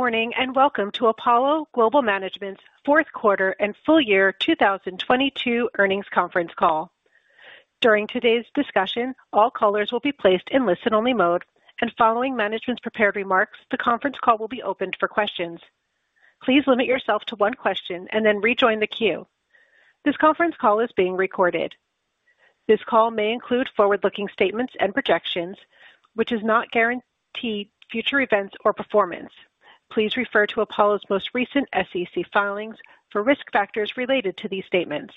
Good morning. Welcome to Apollo Global Management's fourth quarter and full year 2022 earnings conference call. During today's discussion, all callers will be placed in listen-only mode, and following management's prepared remarks, the conference call will be opened for questions. Please limit yourself to one question and then rejoin the queue. This conference call is being recorded. This call may include forward-looking statements and projections, which is not guarantee future events or performance. Please refer to Apollo's most recent SEC filings for risk factors related to these statements.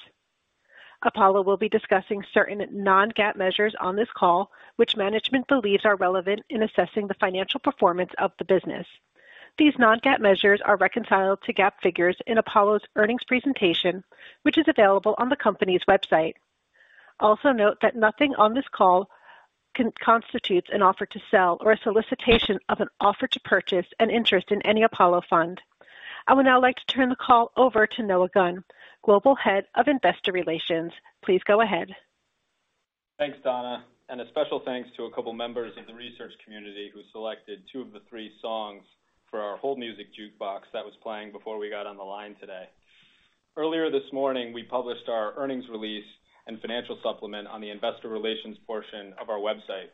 Apollo will be discussing certain non-GAAP measures on this call, which management believes are relevant in assessing the financial performance of the business. These non-GAAP measures are reconciled to GAAP figures in Apollo's earnings presentation, which is available on the company's website. Note that nothing on this call constitutes an offer to sell or a solicitation of an offer to purchase an interest in any Apollo fund. I would now like to turn the call over to Noah Gunn, Global Head of Investor Relations. Please go ahead. Thanks, Donna, a special thanks to a couple members of the research community who selected two of the three songs for our hold music jukebox that was playing before we got on the line today. Earlier this morning, we published our earnings release and financial supplement on the investor relations portion of our website.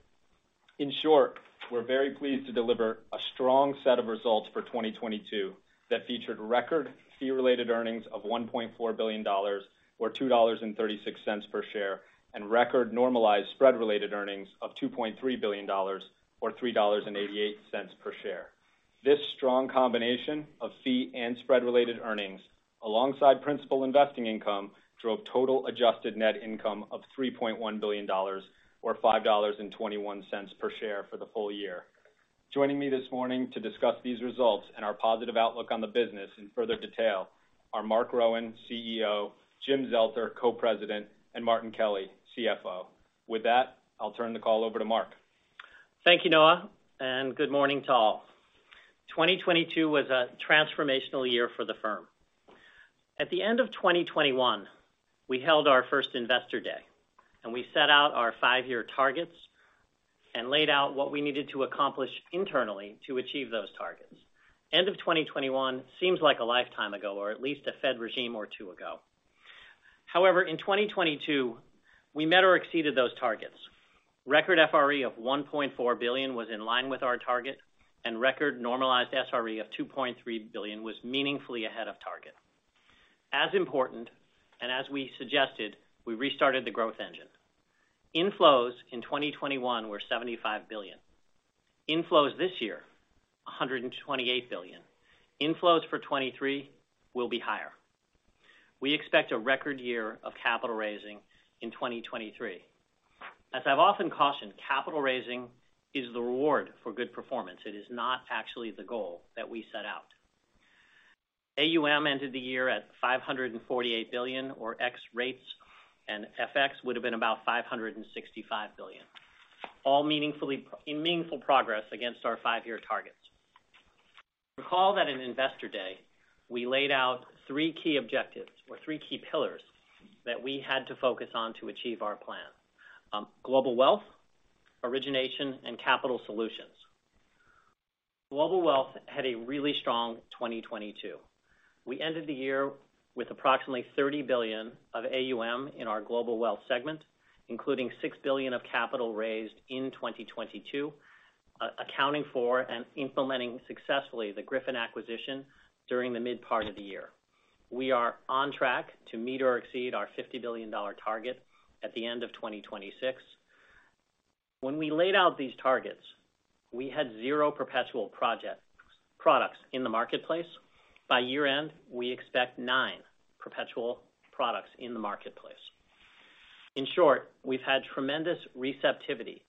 In short, we're very pleased to deliver a strong set of results for 2022 that featured record fee-related earnings of $1.4 billion or $2.36 per share, record normalized spread-related earnings of $2.3 billion or $3.88 per share. This strong combination of fee and spread-related earnings alongside principal investing income drove total adjusted net income of $3.1 billion or $5.21 per share for the full year. Joining me this morning to discuss these results and our positive outlook on the business in further detail are Marc Rowan, CEO, Jim Zelter, Co-President, and Martin Kelly, CFO. With that, I'll turn the call over to Marc. Thank you, Noah. Good morning to all. 2022 was a transformational year for the firm. At the end of 2021, we held our first Investor Day, we set out our five-year targets and laid out what we needed to accomplish internally to achieve those targets. End of 2021 seems like a lifetime ago, or at least a Fed regime or two ago. In 2022, we met or exceeded those targets. Record FRE of 1.4 billion was in line with our target, record normalized SRE of 2.3 billion was meaningfully ahead of target. As important, as we suggested, we restarted the growth engine. Inflows in 2021 were 75 billion. Inflows this year, 128 billion. Inflows for 2023 will be higher. We expect a record year of capital raising in 2023. As I've often cautioned, capital raising is the reward for good performance. It is not actually the goal that we set out. AUM ended the year at 548 billion or ex rates, FX would've been about 565 billion. All in meaningful progress against our five-year targets. Recall that in Investor Day, we laid out three key objectives or three key pillars that we had to focus on to achieve our plan. Global wealth, origination, and capital solutions. Global wealth had a really strong 2022. We ended the year with approximately 30 billion of AUM in our global wealth segment, including $6 billion of capital raised in 2022, accounting for and implementing successfully the Griffin acquisition during the mid part of the year. We are on track to meet or exceed our $50 billion target at the end of 2026. When we laid out these targets, we had zero perpetual products in the marketplace. By year-end, we expect nine perpetual products in the marketplace. In short, we've had tremendous receptivity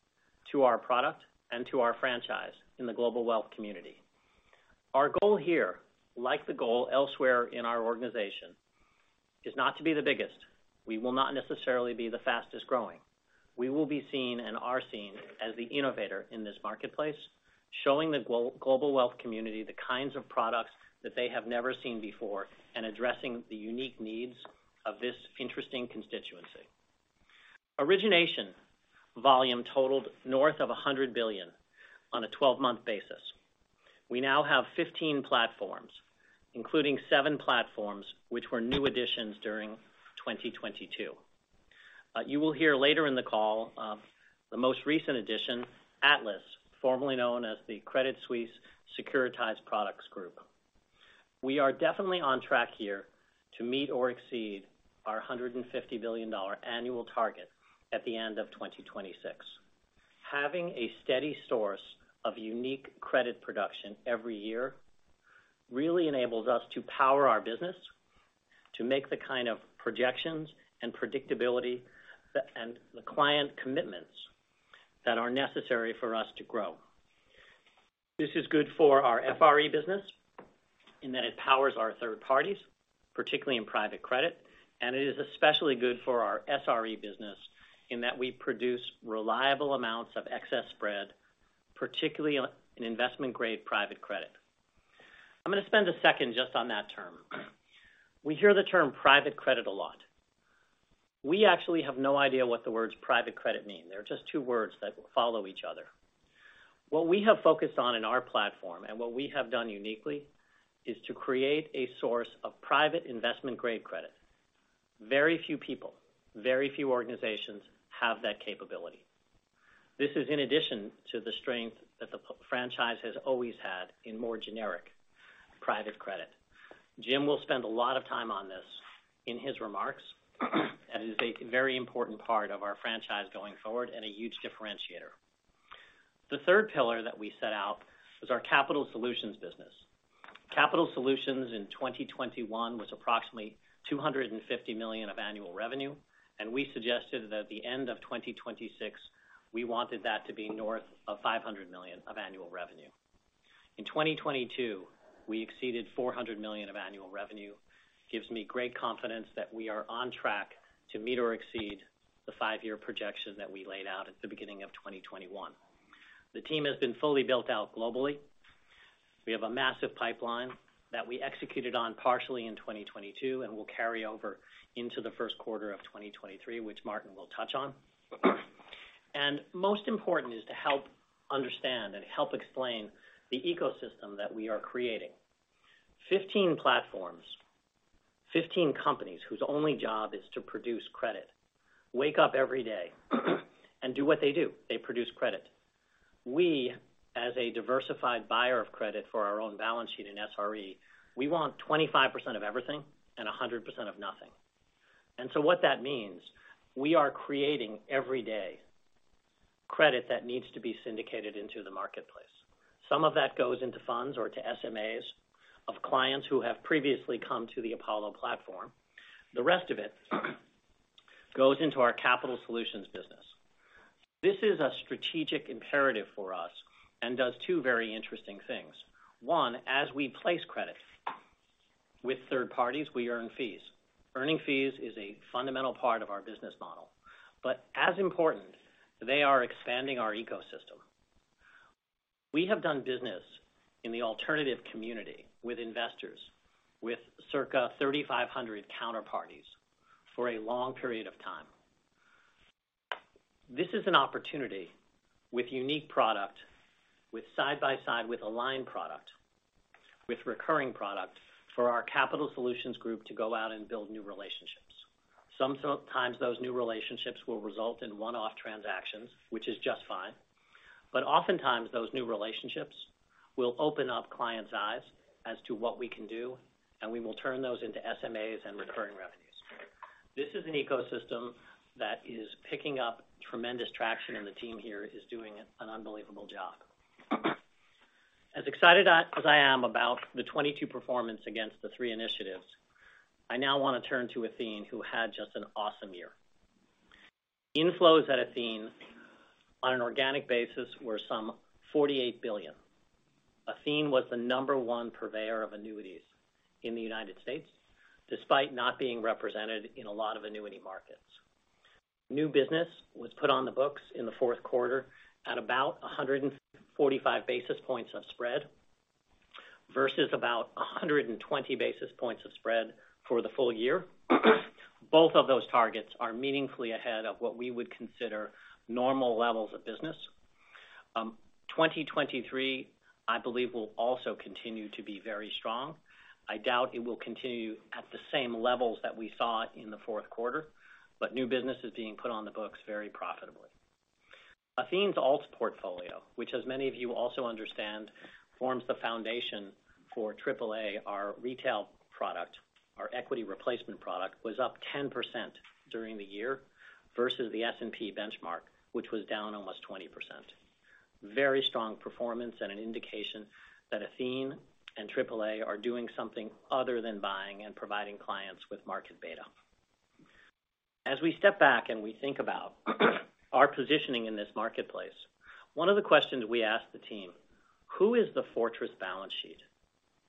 to our product and to our franchise in the global wealth community. Our goal here, like the goal elsewhere in our organization, is not to be the biggest. We will not necessarily be the fastest-growing. We will be seen, and are seen, as the innovator in this marketplace, showing the global wealth community the kinds of products that they have never seen before and addressing the unique needs of this interesting constituency. Origination volume totaled north of 100 billion on a 12-month basis. We now have 15 platforms, including seven platforms, which were new additions during 2022. You will hear later in the call, the most recent addition, Atlas SP, formerly known as the Credit Suisse Securitized Products Group. We are definitely on track here to meet or exceed our 150 billion annual target at the end of 2026. Having a steady source of unique credit production every year really enables us to power our business to make the kind of projections and predictability and the client commitments that are necessary for us to grow. This is good for our FRE business in that it powers our third parties, particularly in private credit, and it is especially good for our SRE business in that we produce reliable amounts of excess spread, particularly in investment-grade private credit. I'm going to spend a second just on that term. We hear the term private credit a lot. We actually have no idea what the words private credit mean. They are just two words that follow each other. What we have focused on in our platform, and what we have done uniquely is to create a source of private investment grade credit. Very few people, very few organizations have that capability. This is in addition to the strength that the franchise has always had in more generic private credit. Jim will spend a lot of time on this in his remarks, and is a very important part of our franchise going forward and a huge differentiator. The third pillar that we set out was our capital solutions business. Capital solutions in 2021 was approximately 250 million of annual revenue, and we suggested that at the end of 2026, we wanted that to be north of 500 million of annual revenue. In 2022, we exceeded 400 million of annual revenue. Gives me great confidence that we are on track to meet or exceed the five-year projection that we laid out at the beginning of 2021. The team has been fully built out globally. We have a massive pipeline that we executed on partially in 2022 and will carry over into the first quarter of 2023, which Martin will touch on. Most important is to help understand and help explain the ecosystem that we are creating. 15 platforms, 15 companies whose only job is to produce credit, wake up every day and do what they do. They produce credit. We, as a diversified buyer of credit for our own balance sheet in SRE, we want 25% of everything and 100% of nothing. What that means, we are creating, every day, credit that needs to be syndicated into the marketplace. Some of that goes into funds or to SMAs of clients who have previously come to the Apollo platform. The rest of it goes into our capital solutions business. This is a strategic imperative for us and does two very interesting things. One, as we place credit with third parties, we earn fees. Earning fees is a fundamental part of our business model. As important, they are expanding our ecosystem. We have done business in the alternative community with investors, with circa 3,500 counterparties for a long period of time. This is an opportunity with unique product, with side by side, with aligned product, with recurring product for our capital solutions group to go out and build new relationships. Sometimes those new relationships will result in one-off transactions, which is just fine. But oftentimes those new relationships will open up clients' eyes as to what we can do, and we will turn those into SMAs and recurring revenues. This is an ecosystem that is picking up tremendous traction, and the team here is doing an unbelievable job. As excited as I am about the 22 performance against the three initiatives, I now want to turn to Athene, who had just an awesome year. Inflows at Athene on an organic basis were some 48 billion. Athene was the number one purveyor of annuities in the United States, despite not being represented in a lot of annuity markets. New business was put on the books in the fourth quarter at about 145 basis points of spread versus about 120 basis points of spread for the full year. Both of those targets are meaningfully ahead of what we would consider normal levels of business. 2023, I believe, will also continue to be very strong. I doubt it will continue at the same levels that we saw in the fourth quarter, new business is being put on the books very profitably. Athene's alt portfolio, which as many of you also understand, forms the foundation for Apollo Aligned Alternatives, our retail product, our equity replacement product, was up 10% during the year versus the S&P benchmark, which was down almost 20%. Very strong performance and an indication that Athene and Apollo Aligned Alternatives are doing something other than buying and providing clients with market beta. As we step back and we think about our positioning in this marketplace, one of the questions we ask the team, who is the fortress balance sheet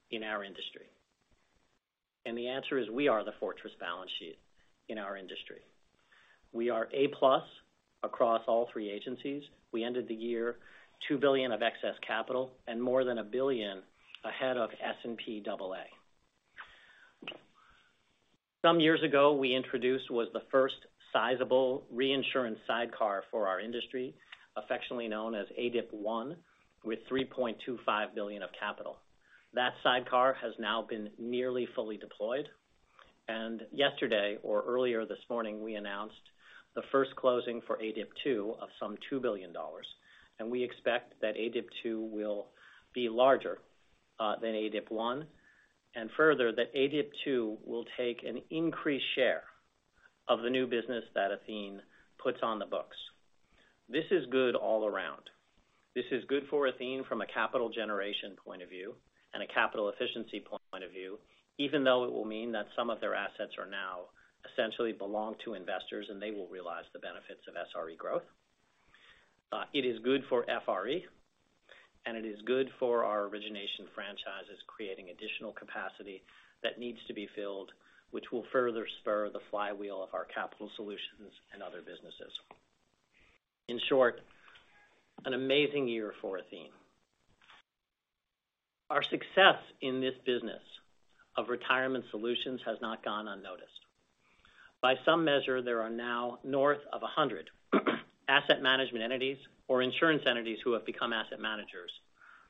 in our industry? The answer is we are the fortress balance sheet in our industry. We are A+ across all three agencies. We ended the year 2 billion of excess capital and more than 1 billion ahead of S&P AA. Some years ago, we introduced what's the first sizable reinsurance sidecar for our industry, affectionately known as ADIP I, with 3.25 billion of capital. That sidecar has now been nearly fully deployed. Yesterday or earlier this morning, we announced the first closing for ADIP II of some $2 billion. We expect that ADIP two will be larger than ADIP one, and further, that ADIP two will take an increased share of the new business that Athene puts on the books. This is good all around. This is good for Athene from a capital generation point of view and a capital efficiency point of view, even though it will mean that some of their assets are now essentially belong to investors and they will realize the benefits of SRE growth. It is good for FRE, and it is good for our origination franchises, creating additional capacity that needs to be filled, which will further spur the flywheel of our capital solutions and other businesses. In short, an amazing year for Athene. Our success in this business of retirement solutions has not gone unnoticed. By some measure, there are now north of 100 asset management entities or insurance entities who have become asset managers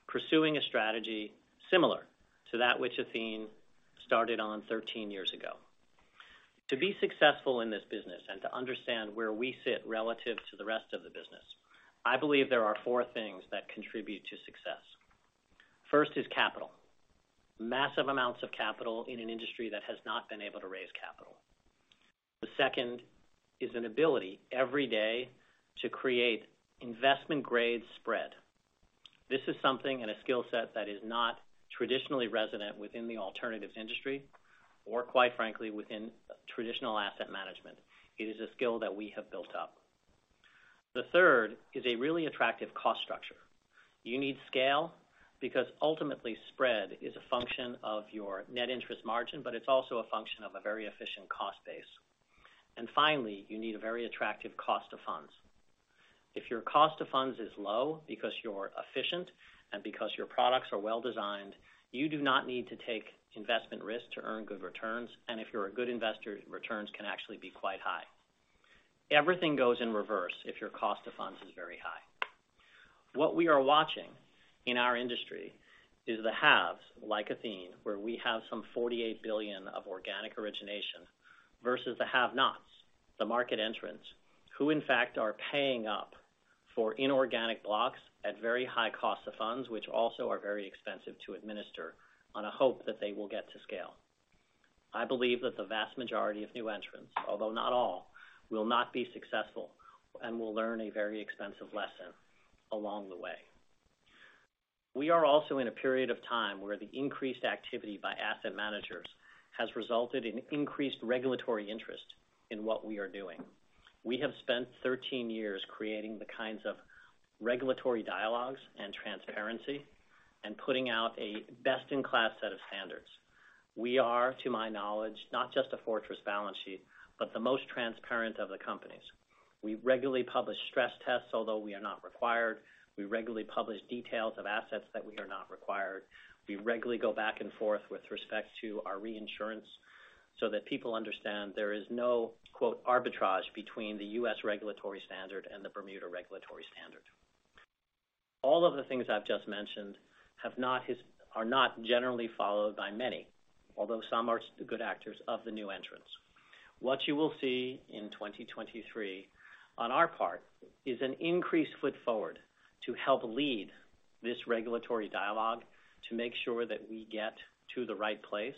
pursuing a strategy similar to that which Athene started on 13 years ago. To be successful in this business and to understand where we sit relative to the rest of the business, I believe there are four things that contribute to success. First is capital, massive amounts of capital in an industry that has not been able to raise capital. The second is an ability every day to create investment-grade spread. This is something and a skill set that is not traditionally resonant within the alternatives industry or quite frankly, within traditional asset management. It is a skill that we have built up. The third is a really attractive cost structure. You need scale because ultimately spread is a function of your net interest margin, but it's also a function of a very efficient cost base. Finally, you need a very attractive cost of funds. If your cost of funds is low because you're efficient and because your products are well designed, you do not need to take investment risk to earn good returns. If you're a good investor, returns can actually be quite high. Everything goes in reverse if your cost of funds is very high. What we are watching in our industry is the haves like Athene, where we have some 48 billion of organic origination versus the have nots, the market entrants who in fact are paying up for inorganic blocks at very high cost of funds, which also are very expensive to administer on a hope that they will get to scale. I believe that the vast majority of new entrants, although not all, will not be successful and will learn a very expensive lesson along the way. We are also in a period of time where the increased activity by asset managers has resulted in increased regulatory interest in what we are doing. We have spent 13 years creating the kinds of regulatory dialogues and transparency and putting out a best in class set of standards. We are, to my knowledge, not just a fortress balance sheet, but the most transparent of the companies. We regularly publish stress tests, although we are not required. We regularly publish details of assets that we are not required. We regularly go back and forth with respect to our reinsurance so that people understand there is no "arbitrage" between the U.S. regulatory standard and the Bermuda regulatory standard. All of the things I've just mentioned are not generally followed by many, although some are good actors of the new entrants. What you will see in 2023 on our part is an increased foot forward to help lead this regulatory dialogue to make sure that we get to the right place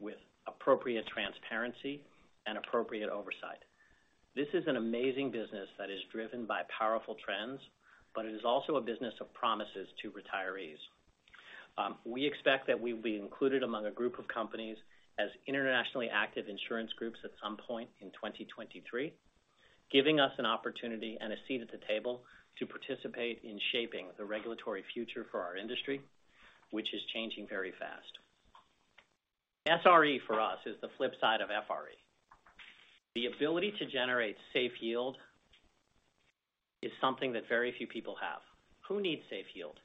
with appropriate transparency and appropriate oversight. This is an amazing business that is driven by powerful trends, but it is also a business of promises to retirees. We expect that we will be included among a group of companies as Internationally Active Insurance Groups at some point in 2023, giving us an opportunity and a seat at the table to participate in shaping the regulatory future for our industry, which is changing very fast. SRE for us is the flip side of FRE. The ability to generate safe yield is something that very few people have. Who needs safe yield?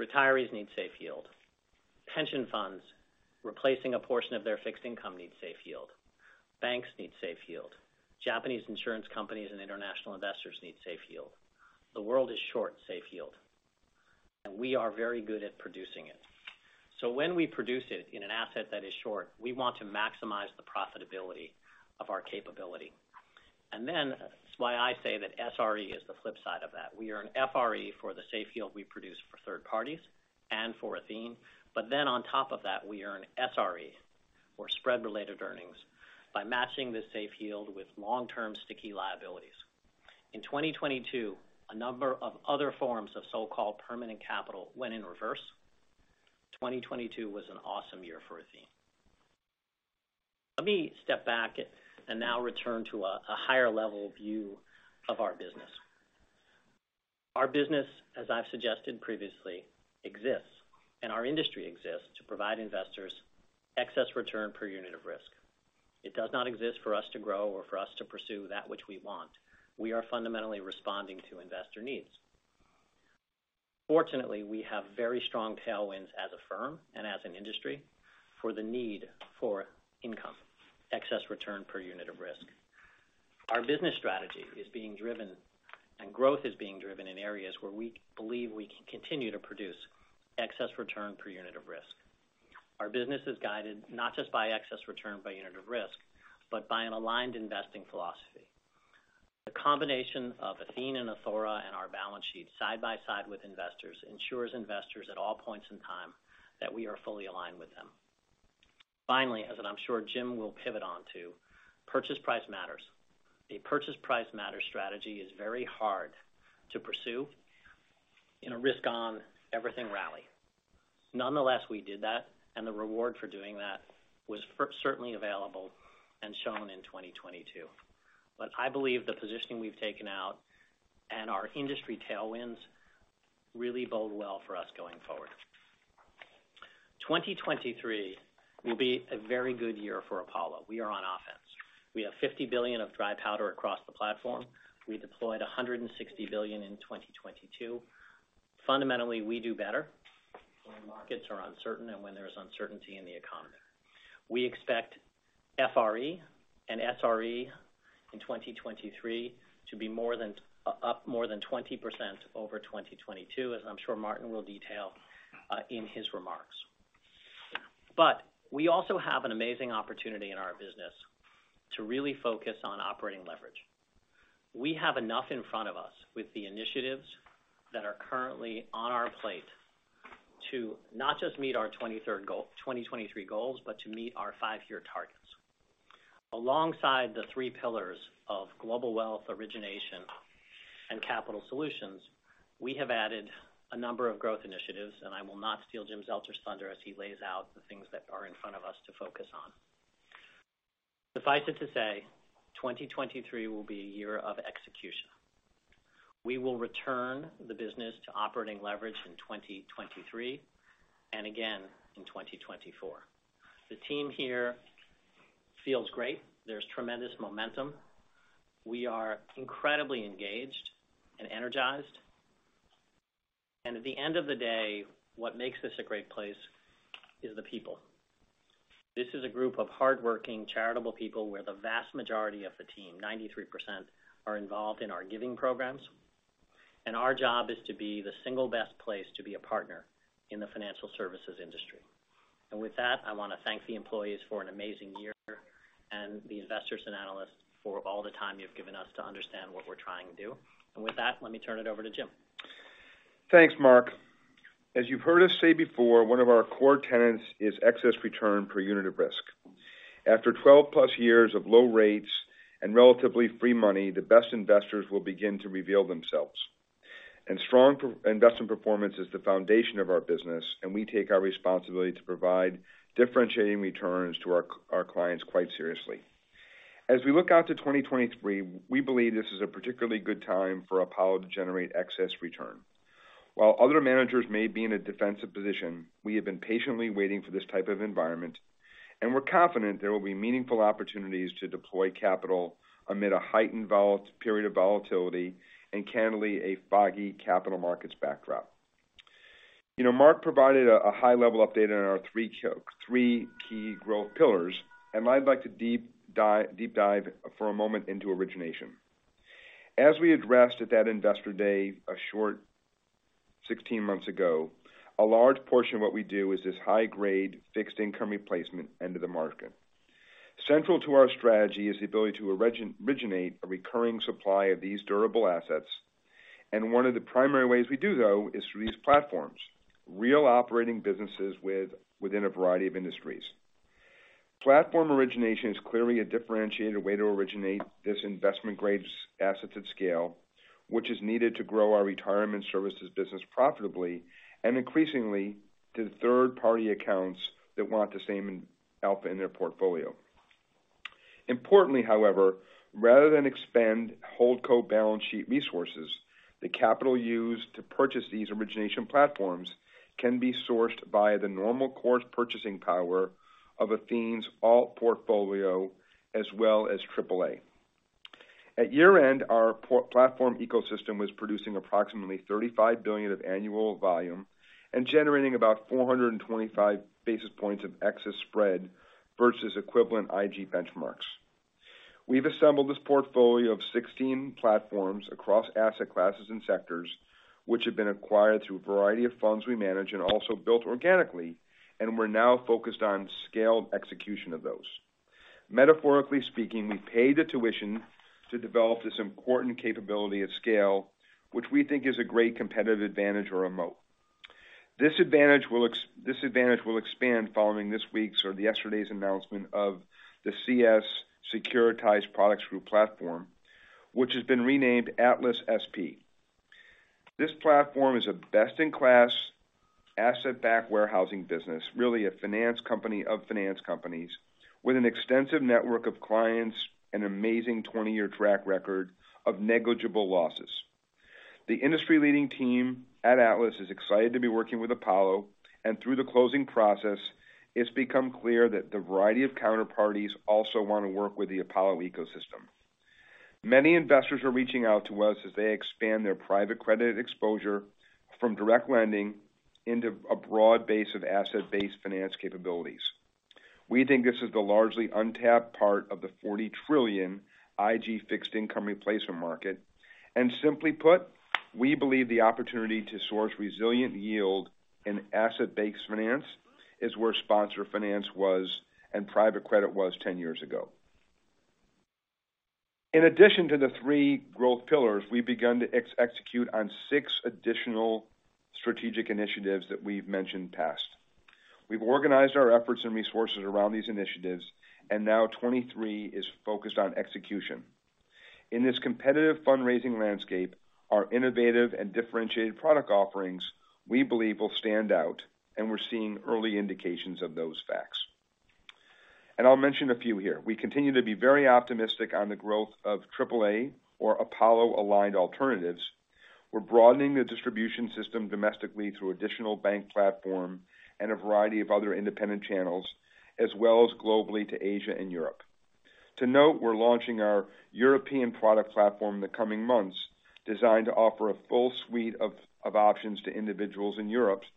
Retirees need safe yield. Pension funds replacing a portion of their fixed income need safe yield. Banks need safe yield. Japanese insurance companies and international investors need safe yield. The world is short safe yield, and we are very good at producing it. When we produce it in an asset that is short, we want to maximize the profitability of our capability. That's why I say that SRE is the flip side of that. We earn FRE for the safe yield we produce for third parties and for Athene. On top of that, we earn SRE or spread related earnings by matching the safe yield with long-term sticky liabilities. In 2022, a number of other forms of so-called permanent capital went in reverse. 2022 was an awesome year for Athene. Let me step back and now return to a higher level view of our business. Our business, as I've suggested previously, exists, and our industry exists to provide investors excess return per unit of risk. It does not exist for us to grow or for us to pursue that which we want. We are fundamentally responding to investor needs. Fortunately, we have very strong tailwinds as a firm and as an industry for the need for income, excess return per unit of risk. Our business strategy is being driven and growth is being driven in areas where we believe we can continue to produce excess return per unit of risk. Our business is guided not just by excess return by unit of risk, but by an aligned investing philosophy. The combination of Athene and Athora and our balance sheet side by side with investors ensures investors at all points in time that we are fully aligned with them. As I'm sure Jim will pivot on to purchase price matters. A purchase price matter strategy is very hard to pursue in a risk on everything rally. Nonetheless, we did that, and the reward for doing that was certainly available and shown in 2022. I believe the positioning we've taken out and our industry tailwinds really bode well for us going forward. 2023 will be a very good year for Apollo. We are on offense. We have $50 billion of dry powder across the platform. We deployed 160 billion in 2022. Fundamentally, we do better when markets are uncertain and when there's uncertainty in the economy. We expect FRE and SRE in 2023 to be up more than 20% over 2022, as I'm sure Martin Kelly will detail in his remarks. We also have an amazing opportunity in our business to really focus on operating leverage. We have enough in front of us with the initiatives that are currently on our plate to not just meet our 2023 goals, but to meet our five-year targets. Alongside the three pillars of global wealth origination and capital solutions, we have added a number of growth initiatives, and I will not steal Jim Zelter's thunder as he lays out the things that are in front of us to focus on. Suffice it to say, 2023 will be a year of execution. We will return the business to operating leverage in 2023, and again in 2024. The team here feels great. There's tremendous momentum. We are incredibly engaged and energized. At the end of the day, what makes this a great place is the people. This is a group of hardworking, charitable people, where the vast majority of the team, 93%, are involved in our giving programs, and our job is to be the single best place to be a partner in the financial services industry. With that, I want to thank the employees for an amazing year, and the investors and analysts for all the time you've given us to understand what we're trying to do. With that, let me turn it over to Jim. Thanks, Marc. As you've heard us say before, one of our core tenets is excess return per unit of risk. After 12-plus years of low rates and relatively free money, the best investors will begin to reveal themselves. Strong per-investment performance is the foundation of our business, and we take our responsibility to provide differentiating returns to our clients quite seriously. As we look out to 2023, we believe this is a particularly good time for Apollo to generate excess return. While other managers may be in a defensive position, we have been patiently waiting for this type of environment, and we're confident there will be meaningful opportunities to deploy capital amid a heightened period of volatility, and candidly, a foggy capital markets backdrop. You know, Marc provided a high-level update on our three key growth pillars, and I'd like to deep dive for a moment into origination. As we addressed at that Investor Day a short 16 months ago, a large portion of what we do is this high-grade fixed income replacement end of the market. Central to our strategy is the ability to originate a recurring supply of these durable assets, and one of the primary ways we do, though, is through these platforms, real operating businesses within a variety of industries. Platform origination is clearly a differentiated way to originate this investment-grade assets at scale, which is needed to grow our retirement services business profitably, and increasingly, to the third-party accounts that want the same alpha in their portfolio. Importantly, however, rather than expand holdco balance sheet resources, the capital used to purchase these origination platforms can be sourced by the normal course purchasing power of Athene's alt portfolio, as well as Apollo Aligned Alternatives. At year-end, our platform ecosystem was producing approximately 35 billion of annual volume and generating about 425 basis points of excess spread versus equivalent IG benchmarks. We've assembled this portfolio of 16 platforms across asset classes and sectors, which have been acquired through a variety of funds we manage and also built organically, and we're now focused on scaled execution of those. Metaphorically speaking, we paid the tuition to develop this important capability at scale, which we think is a great competitive advantage or a moat. This advantage will expand following this week's or yesterday's announcement of the CS Securitized Products Group platform, which has been renamed Atlas SP. This platform is a best-in-class asset-backed warehousing business, really a finance company of finance companies, with an extensive network of clients, an amazing 20-year track record of negligible losses. The industry-leading team at Atlas is excited to be working with Apollo, through the closing process, it's become clear that the variety of counterparties also want to work with the Apollo ecosystem. Many investors are reaching out to us as they expand their private credit exposure from direct lending into a broad base of asset-based finance capabilities. We think this is the largely untapped part of the 40 trillion IG fixed income replacement market. Simply put, we believe the opportunity to source resilient yield in asset-based finance is where sponsor finance was and private credit was 10 years ago. In addition to the three growth pillars, we've begun to execute on six additional strategic initiatives that we've mentioned past. We've organized our efforts and resources around these initiatives, now 23 is focused on execution. In this competitive fundraising landscape, our innovative and differentiated product offerings, we believe will stand out, and we're seeing early indications of those facts. I'll mention a few here. We continue to be very optimistic on the growth of AAA or Apollo Aligned Alternatives. We're broadening the distribution system domestically through additional bank platform and a variety of other independent channels, as well as globally to Asia and Europe. To note, we're launching our European product platform in the coming months, designed to offer a full suite of options to individuals in Europe, Apollo Aligned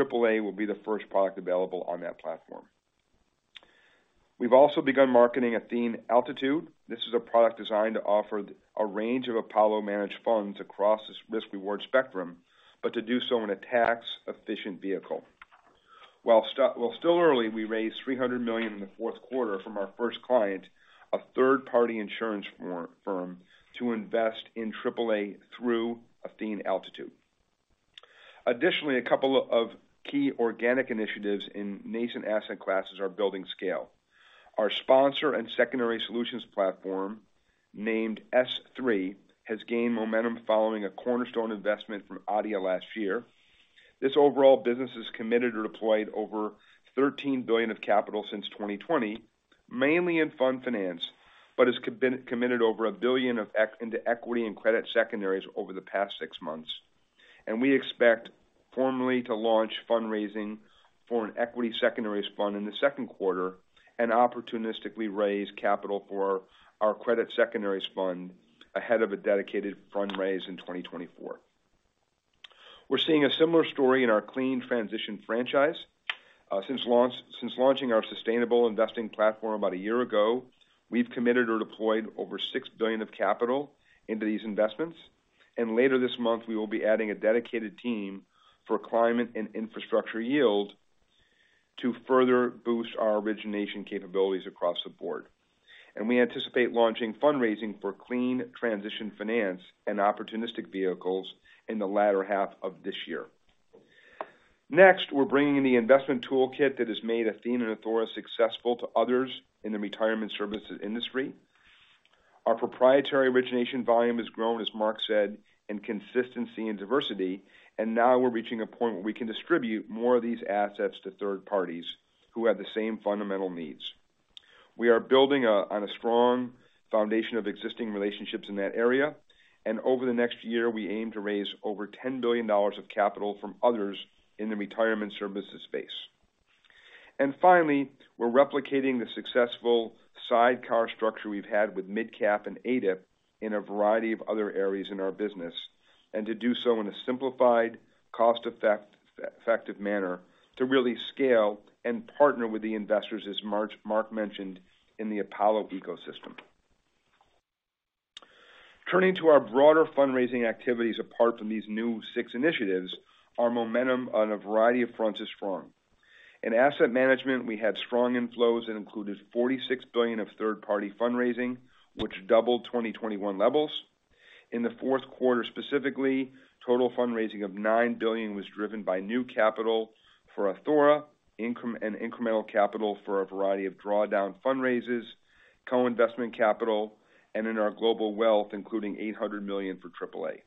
Alternatives will be the first product available on that platform. We've also begun marketing Athene Amplify. This is a product designed to offer a range of Apollo managed funds across this risk-reward spectrum, but to do so in a tax-efficient vehicle. While still early, we raised 300 million in the fourth quarter from our first client, a third-party insurance firm to invest in Apollo Aligned Alternatives through Athene Amplify. Additionally, a couple of key organic initiatives in nascent asset classes are building scale. Our sponsor and secondary solutions platform, named S3, has gained momentum following a cornerstone investment from ADIA last year. This overall business has committed or deployed over $13 billion of capital since 2020, mainly in fund finance, but has committed over 1 billion into equity and credit secondaries over the past six months. We expect formally to launch fundraising for an equity secondaries fund in the second quarter and opportunistically raise capital for our credit secondaries fund ahead of a dedicated fundraise in 2024. We're seeing a similar story in our Clean Transition franchise. Since launching our sustainable investing platform about a year ago, we've committed or deployed over 6 billion of capital into these investments. Later this month, we will be adding a dedicated team for climate and infrastructure yield to further boost our origination capabilities across the board. We anticipate launching fundraising for Clean Transition finance and opportunistic vehicles in the latter half of this year. Next, we're bringing in the investment toolkit that has made Athene and Athora successful to others in the retirement services industry. Our proprietary origination volume has grown, as Marc said, in consistency and diversity, now we're reaching a point where we can distribute more of these assets to third parties who have the same fundamental needs. We are building on a strong foundation of existing relationships in that area, over the next year, we aim to raise over $10 billion of capital from others in the retirement services space. Finally, we're replicating the successful sidecar structure we've had with MidCap and ADIP in a variety of other areas in our business. To do so in a simplified, cost-effective manner to really scale and partner with the investors, as Marc mentioned, in the Apollo ecosystem. Turning to our broader fundraising activities apart from these new six initiatives, our momentum on a variety of fronts is strong. In asset management, we had strong inflows that included 46 billion of third-party fundraising, which doubled 2021 levels. In the fourth quarter, specifically, total fundraising of 9 billion was driven by new capital for Athora, and incremental capital for a variety of drawdown fundraisers, co-investment capital, and in our global wealth, including 800 million for Apollo Aligned Alternatives.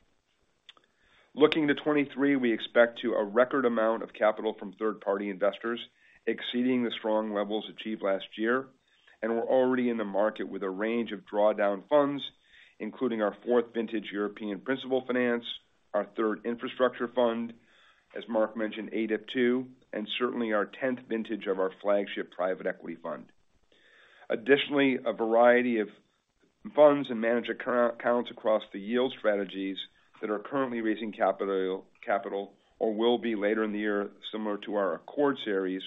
Looking to 2023, we expect to a record amount of capital from third-party investors exceeding the strong levels achieved last year, and we're already in the market with a range of drawdown funds, including our fourth vintage European Principal Finance, our third infrastructure fund, as Marc mentioned, ADIP II, and certainly our tenth vintage of our flagship private equity fund. Additionally, a variety of funds and manager current accounts across the yield strategies that are currently raising capital or will be later in the year, similar to our Accord series,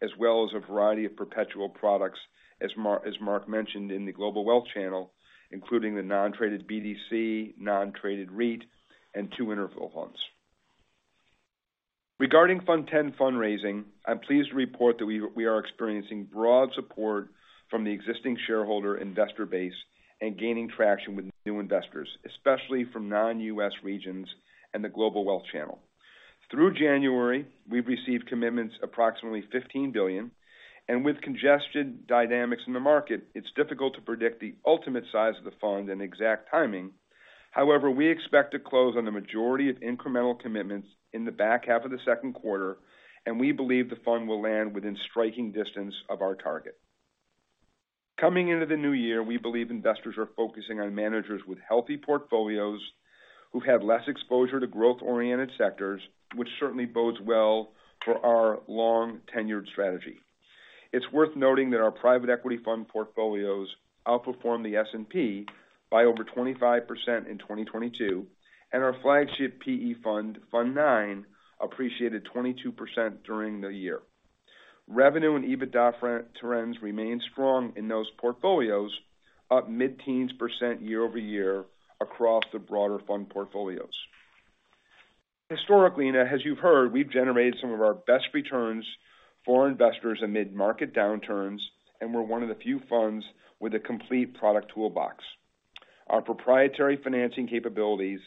as well as a variety of perpetual products, as Marc mentioned in the global wealth channel, including the non-traded BDC, non-traded REIT, and two interval funds. Regarding Fund X fundraising, I'm pleased to report that we are experiencing broad support from the existing shareholder investor base and gaining traction with new investors, especially from non-U.S. regions and the global wealth channel. Through January, we've received commitments approximately 15 billion, and with congestion dynamics in the market, it's difficult to predict the ultimate size of the fund and exact timing. We expect to close on the majority of incremental commitments in the back half of the second quarter, and we believe the fund will land within striking distance of our target. Coming into the new year, we believe investors are focusing on managers with healthy portfolios who've had less exposure to growth-oriented sectors, which certainly bodes well for our long-tenured strategy. It's worth noting that our private equity fund portfolios outperformed the S&P by over 25% in 2022, and our flagship PE fund, Fund IX, appreciated 22% during the year. Revenue and EBITDA trends remain strong in those portfolios, up mid-teens percent year-over-year across the broader fund portfolios. Historically, as you've heard, we've generated some of our best returns for investors amid market downturns, and we're one of the few funds with a complete product toolbox. Our proprietary financing capabilities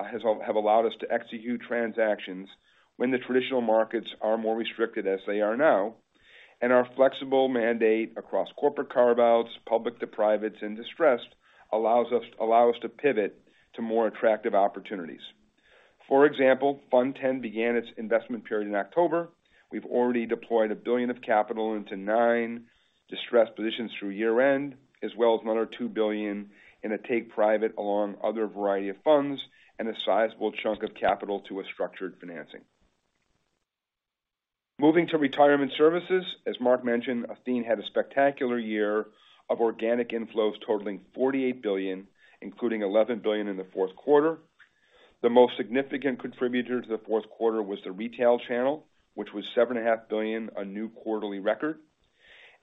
have allowed us to execute transactions when the traditional markets are more restricted as they are now. Our flexible mandate across corporate carve-outs, public to privates, and distressed allow us to pivot to more attractive opportunities. For example, Fund X began its investment period in October. We've already deployed $1 billion of capital into nine distressed positions through year-end, as well as another 2 billion in a take private along other variety of funds and a sizable chunk of capital to a structured financing. Moving to Retirement Services, as Marc mentioned, Athene had a spectacular year of organic inflows totaling 48 billion, including 11 billion in the fourth quarter. The most significant contributor to the fourth quarter was the retail channel, which was 7.5 billion, a new quarterly record.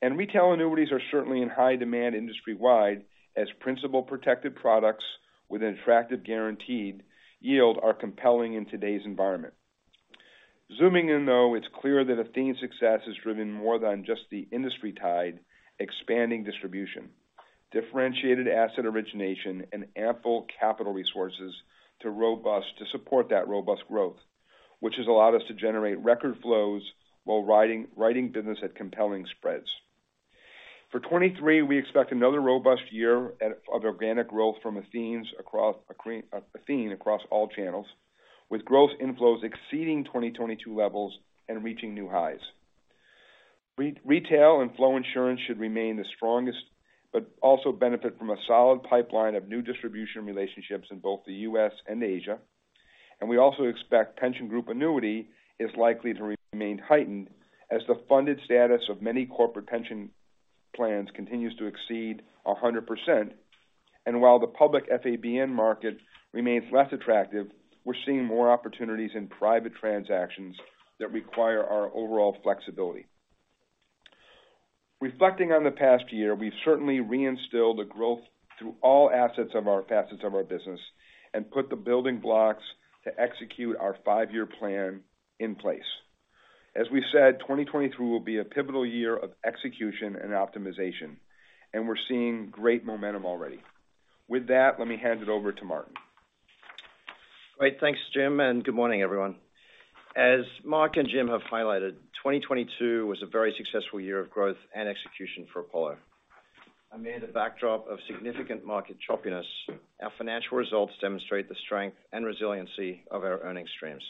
Retail annuities are certainly in high demand industry-wide as principal protected products with an attractive guaranteed yield are compelling in today's environment. Zooming in, though, it's clear that Athene's success is driven more than just the industry tide, expanding distribution, differentiated asset origination, and ample capital resources to support that robust growth, which has allowed us to generate record flows while riding business at compelling spreads. For 2023, we expect another robust year of organic growth from Athene across all channels, with growth inflows exceeding 2022 levels and reaching new highs. Retail and flow insurance should remain the strongest, but also benefit from a solid pipeline of new distribution relationships in both the U.S. and Asia. We also expect pension group annuity is likely to remain heightened as the funded status of many corporate pension plans continues to exceed 100%. While the public FABN market remains less attractive, we're seeing more opportunities in private transactions that require our overall flexibility. Reflecting on the past year, we've certainly reinstilled the growth through all facets of our business and put the building blocks to execute our five-year plan in place. As we said, 2022 will be a pivotal year of execution and optimization. We're seeing great momentum already. With that, let me hand it over to Martin. Great. Thanks, Jim. Good morning, everyone. As Marc and Jim have highlighted, 2022 was a very successful year of growth and execution for Apollo. Amid a backdrop of significant market choppiness, our financial results demonstrate the strength and resiliency of our earning streams.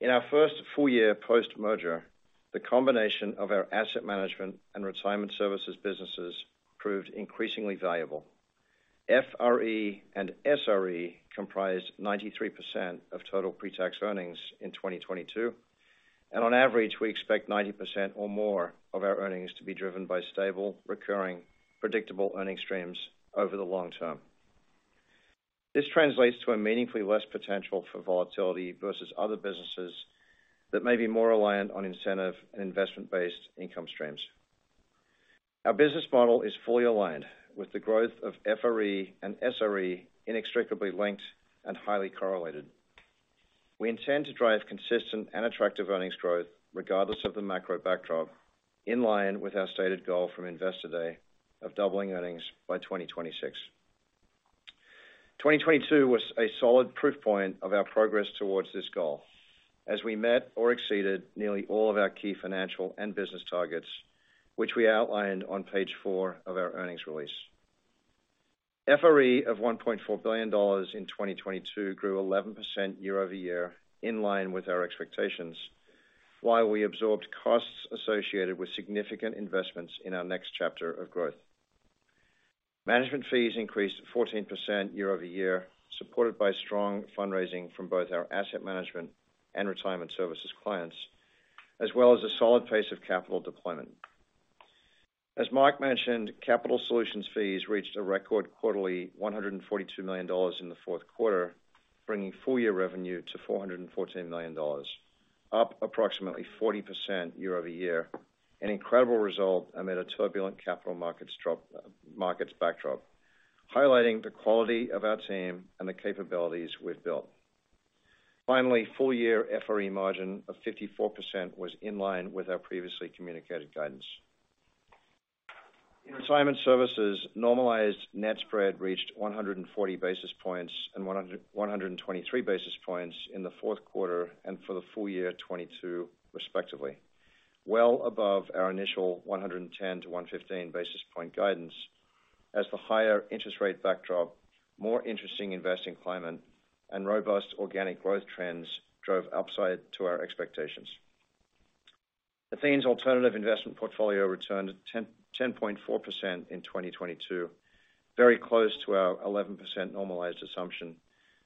In our first full year post-merger, the combination of our asset management and retirement services businesses proved increasingly valuable. FRE and SRE comprised 93% of total pre-tax earnings in 2022. On average, we expect 90% or more of our earnings to be driven by stable, recurring, predictable earning streams over the long term. This translates to a meaningfully less potential for volatility versus other businesses that may be more reliant on incentive and investment-based income streams. Our business model is fully aligned with the growth of FRE and SRE inextricably linked and highly correlated. We intend to drive consistent and attractive earnings growth regardless of the macro backdrop, in line with our stated goal from Investor Day of doubling earnings by 2026. 2022 was a solid proof point of our progress towards this goal, as we met or exceeded nearly all of our key financial and business targets, which we outlined on page four of our earnings release. FRE of $1.4 billion in 2022 grew 11% year-over-year in line with our expectations, while we absorbed costs associated with significant investments in our next chapter of growth. Management fees increased 14% year-over-year, supported by strong fundraising from both our asset management and retirement services clients, as well as a solid pace of capital deployment. As Marc mentioned, capital solutions fees reached a record quarterly 142 million in the fourth quarter, bringing full-year revenue to 414 million, up approximately 40% year-over-year, an incredible result amid a turbulent capital markets backdrop, highlighting the quality of our team and the capabilities we've built. Finally, full-year FRE margin of 54% was in line with our previously communicated guidance. In Retirement Services, normalized net spread reached 140 basis points and 123 basis points in the fourth quarter and for the full year 2022, respectively, well above our initial 110-115 basis point guidance as the higher interest rate backdrop, more interesting investing climate and robust organic growth trends drove upside to our expectations. Athene's alternative investment portfolio returned 10.4% in 2022, very close to our 11% normalized assumption,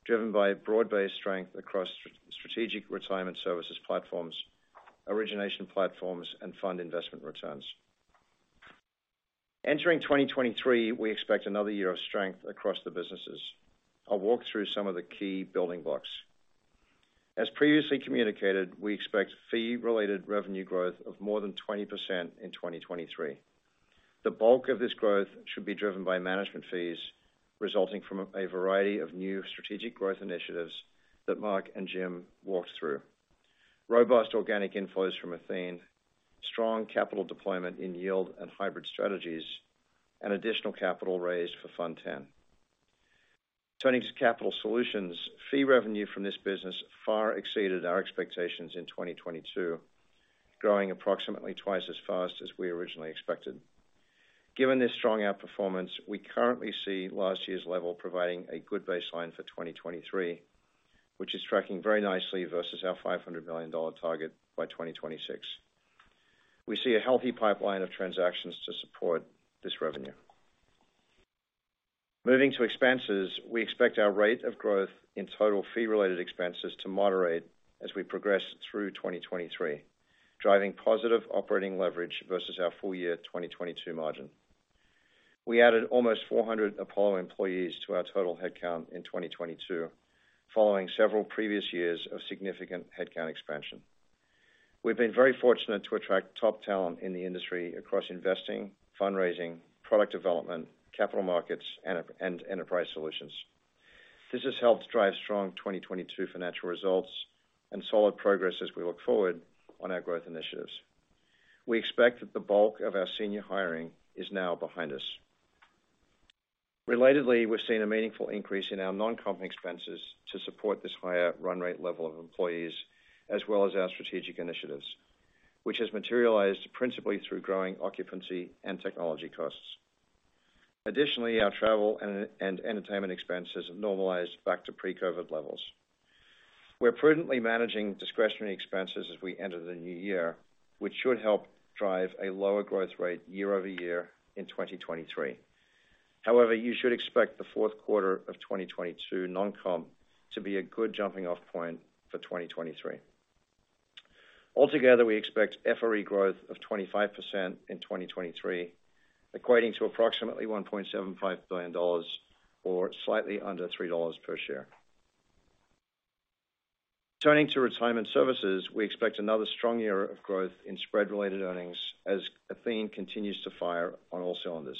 driven by broad-based strength across strategic retirement services platforms, origination platforms, and fund investment returns. Entering 2023, we expect another year of strength across the businesses. I'll walk through some of the key building blocks. As previously communicated, we expect fee-related revenue growth of more than 20% in 2023. The bulk of this growth should be driven by management fees resulting from a variety of new strategic growth initiatives that Marc and Jim walked through. Robust organic inflows from Athene, strong capital deployment in yield and hybrid strategies, and additional capital raised for Fund X. Turning to capital solutions, fee revenue from this business far exceeded our expectations in 2022, growing approximately twice as fast as we originally expected. Given this strong outperformance, we currently see last year's level providing a good baseline for 2023, which is tracking very nicely versus our $500 million target by 2026. We see a healthy pipeline of transactions to support this revenue. Moving to expenses. We expect our rate of growth in total fee-related expenses to moderate as we progress through 2023, driving positive operating leverage versus our full year 2022 margin. We added almost 400 Apollo employees to our total headcount in 2022, following several previous years of significant headcount expansion. We've been very fortunate to attract top talent in the industry across investing, fundraising, product development, capital markets, and enterprise solutions. This has helped drive strong 2022 financial results and solid progress as we look forward on our growth initiatives. We expect that the bulk of our senior hiring is now behind us. Relatedly, we're seeing a meaningful increase in our non-comp expenses to support this higher run rate level of employees, as well as our strategic initiatives, which has materialized principally through growing occupancy and technology costs. Additionally, our travel and entertainment expenses have normalized back to pre-COVID levels. We're prudently managing discretionary expenses as we enter the new year, which should help drive a lower growth rate year-over-year in 2023. However, you should expect the fourth quarter of 2022 non-comp to be a good jumping off point for 2023. Altogether, we expect FRE growth of 25% in 2023, equating to approximately $1.75 billion or slightly under $3 per share. Turning to retirement services. We expect another strong year of growth in spread-related earnings as Athene continues to fire on all cylinders.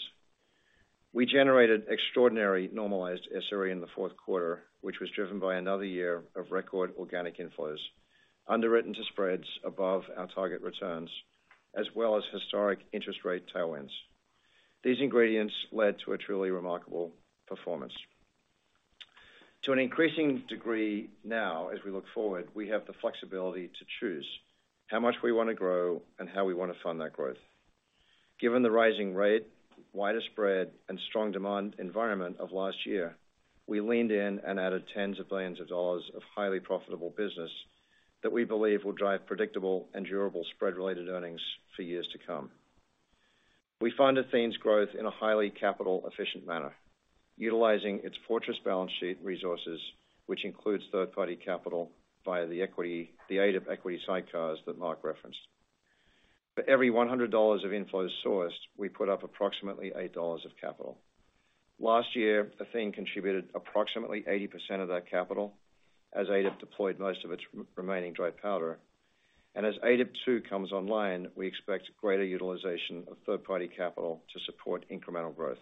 We generated extraordinary normalized SRE in the fourth quarter, which was driven by another year of record organic inflows underwritten to spreads above our target returns, as well as historic interest rate tailwinds. These ingredients led to a truly remarkable performance. To an increasing degree now as we look forward, we have the flexibility to choose how much we want to grow and how we want to fund that growth. Given the rising rate, wider spread, and strong demand environment of last year, we leaned in and added 10s of billions of highly profitable business that we believe will drive predictable and durable spread-related earnings for years to come. We fund Athene's growth in a highly capital efficient manner, utilizing its fortress balance sheet resources, which includes third-party capital via the aid of equity sidecars that Marc referenced. For every $100 of inflows sourced, we put up approximately $8 of capital. Last year, Athene contributed approximately 80% of that capital as ADIP deployed most of its remaining dry powder. As ADIP II comes online, we expect greater utilization of third-party capital to support incremental growth,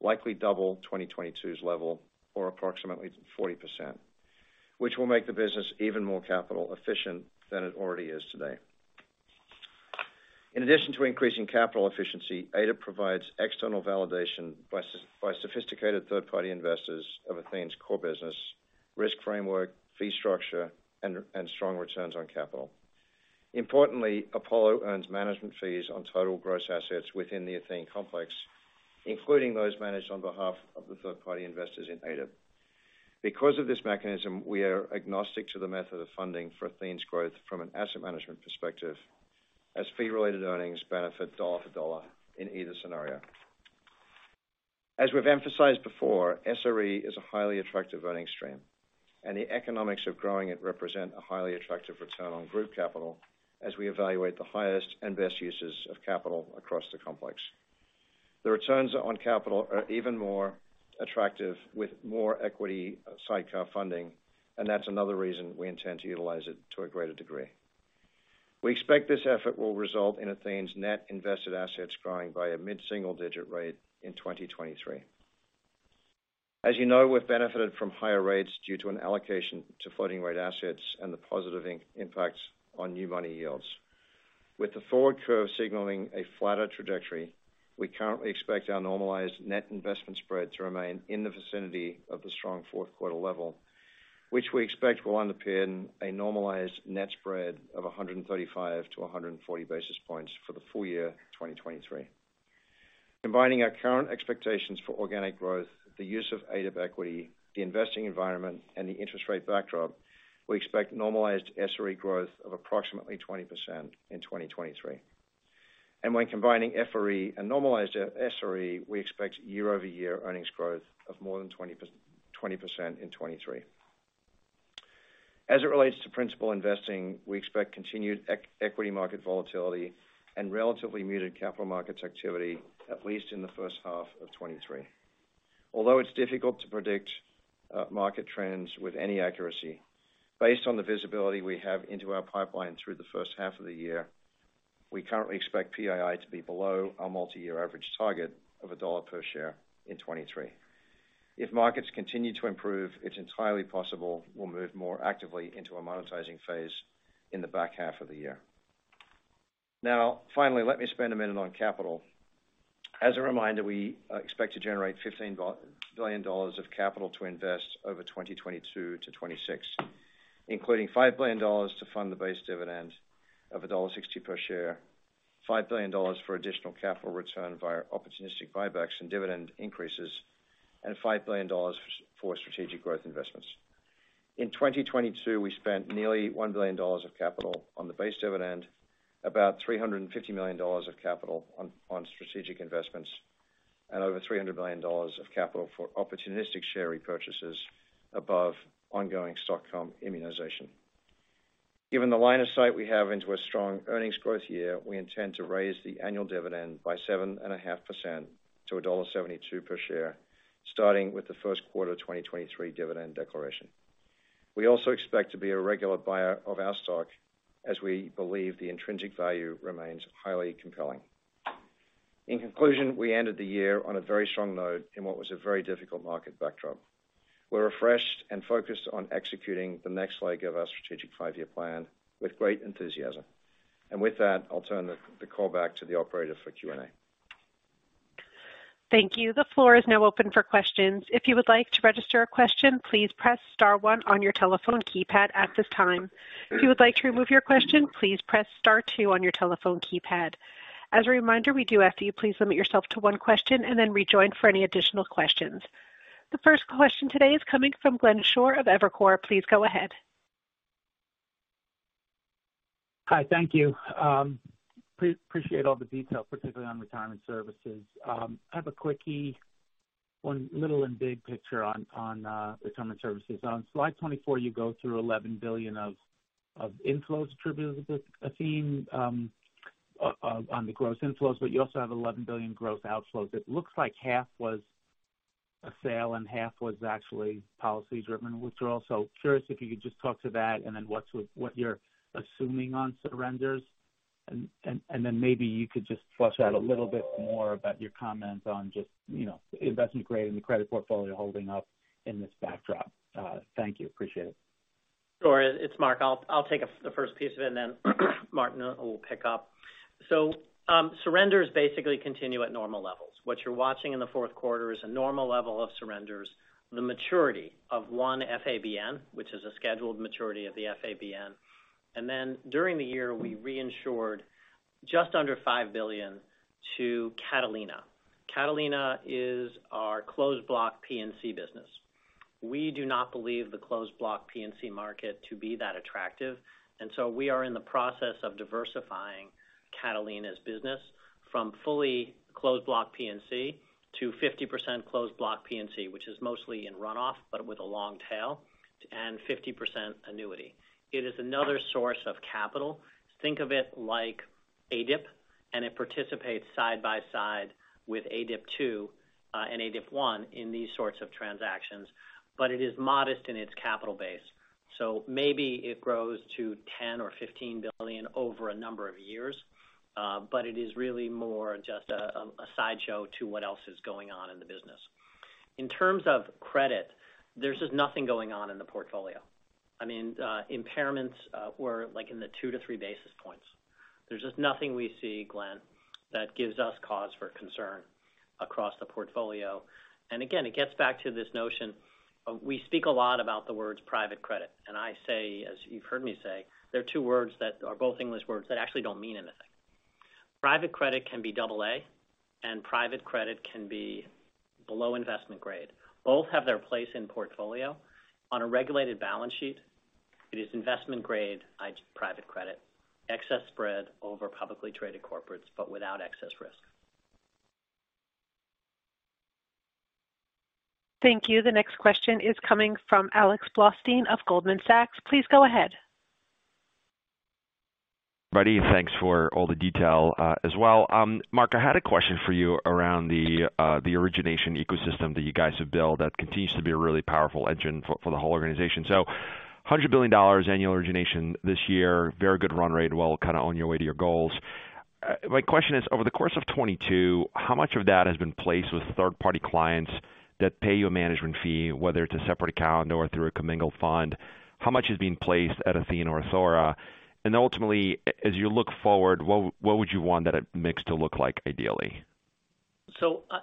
likely double 2022's level or approximately 40%, which will make the business even more capital efficient than it already is today. In addition to increasing capital efficiency, ADIP provides external validation by sophisticated third-party investors of Athene's core business, risk framework, fee structure, and strong returns on capital. Importantly, Apollo earns management fees on total gross assets within the Athene complex, including those managed on behalf of the third-party investors in ADIP. Because of this mechanism, we are agnostic to the method of funding for Athene's growth from an asset management perspective, as fee-related earnings benefit dollar to dollar in either scenario. As we've emphasized before, SRE is a highly attractive earning stream, and the economics of growing it represent a highly attractive return on group capital as we evaluate the highest and best uses of capital across the complex. The returns on capital are even more attractive with more equity sidecar funding, and that's another reason we intend to utilize it to a greater degree. We expect this effort will result in Athene's net invested assets growing by a mid-single-digit rate in 2023. As you know, we've benefited from higher rates due to an allocation to floating rate assets and the positive impacts on new money yields. With the forward curve signaling a flatter trajectory, we currently expect our normalized net investment spread to remain in the vicinity of the strong fourth quarter level, which we expect will underpin a normalized net spread of 135-140 basis points for the full year 2023. Combining our current expectations for organic growth, the use of ADIP equity, the investing environment, and the interest rate backdrop, we expect normalized SRE growth of approximately 20% in 2023. When combining FRE and normalized SRE, we expect year-over-year earnings growth of more than 20% in 2023. As it relates to principal investing, we expect continued equity market volatility and relatively muted capital markets activity, at least in the first half of 2023. Although it's difficult to predict market trends with any accuracy, based on the visibility we have into our pipeline through the first half of the year, we currently expect PII to be below our multi-year average target of $1 per share in 2023. If markets continue to improve, it's entirely possible we'll move more actively into a monetizing phase in the back half of the year. Finally, let me spend a minute on capital. As a reminder, we expect to generate $15 billion of capital to invest over 2022 to 2026. Including $5 billion to fund the base dividend of $1.60 per share, $5 billion for additional capital return via opportunistic buybacks and dividend increases, and $5 billion for strategic growth investments. In 2022, we spent nearly $1 billion of capital on the base dividend, about $350 million of capital on strategic investments, and over $300 million of capital for opportunistic share repurchases above ongoing stock comp minimization. Given the line of sight we have into a strong earnings growth year, we intend to raise the annual dividend by 7.5% to $1.72 per share, starting with the first quarter of 2023 dividend declaration. We also expect to be a regular buyer of our stock as we believe the intrinsic value remains highly compelling. In conclusion, we ended the year on a very strong note in what was a very difficult market backdrop. We're refreshed and focused on executing the next leg of our strategic five-year plan with great enthusiasm. With that, I'll turn the call back to the operator for Q&A. Thank you. The floor is now open for questions. If you would like to register a question, please press star one on your telephone keypad at this time. If you would like to remove your question, please press star two on your telephone keypad. As a reminder, we do ask that you please limit yourself to one question and then rejoin for any additional questions. The first question today is coming from Glenn Schorr of Evercore. Please go ahead. Hi. Thank you. Appreciate all the detail, particularly on retirement services. I have a quickie on little and big picture on retirement services. On slide 24, you go through $11 billion of inflows attributable to Athene, on the gross inflows, but you also have 11 billion gross outflows. It looks like half was a sale and half was actually policy-driven withdrawal. Curious if you could just talk to that and then what you're assuming on surrenders, and then maybe you could just flush out a little bit more about your comments on just, you know, investment grade and the credit portfolio holding up in this backdrop. Thank you. Appreciate it. Sure. It's Mark. I'll take the first piece of it, Martin will pick up. Surrenders basically continue at normal levels. What you're watching in the fourth quarter is a normal level of surrenders, the maturity of 1 FABN, which is a scheduled maturity of the FABN. During the year, we reinsured just under 5 billion to Catalina Re our closed block P&C business. We do not believe the closed block P&C market to be that attractive, we are in the process of diversifying Catalina Re business from fully closed block P&C to 50% closed block P&C, which is mostly in runoff, but with a long tail, and 50% annuity. It is another source of capital. Think of it like ADIP, it participates side by side with ADIP II and ADIP I in these sorts of transactions. It is modest in its capital base. Maybe it grows to 10 billion-15 billion over a number of years, but it is really more just a sideshow to what else is going on in the business. In terms of credit, there's just nothing going on in the portfolio. I mean, impairments were like in the two to three basis points. There's just nothing we see, Glenn, that gives us cause for concern across the portfolio. Again, it gets back to this notion of we speak a lot about the words private credit. I say, as you've heard me say, they're two words that are both English words that actually don't mean anything. Private credit can be AA, and private credit can be below investment grade. Both have their place in portfolio. On a regulated balance sheet, it is investment grade, private credit, excess spread over publicly traded corporates, but without excess risk. Thank you. The next question is coming from Alex Blostein of Goldman Sachs. Please go ahead. Buddy, thanks for all the detail, as well. Marc, I had a question for you around the origination ecosystem that you guys have built that continues to be a really powerful engine for the whole organization. $100 billion annual origination this year. Very good run rate. Well, kind of on your way to your goals. My question is, over the course of 2022, how much of that has been placed with third-party clients that pay you a management fee, whether it's a separate account or through a commingled fund? How much is being placed at Athene or Athora? Ultimately, as you look forward, what would you want that mix to look like ideally?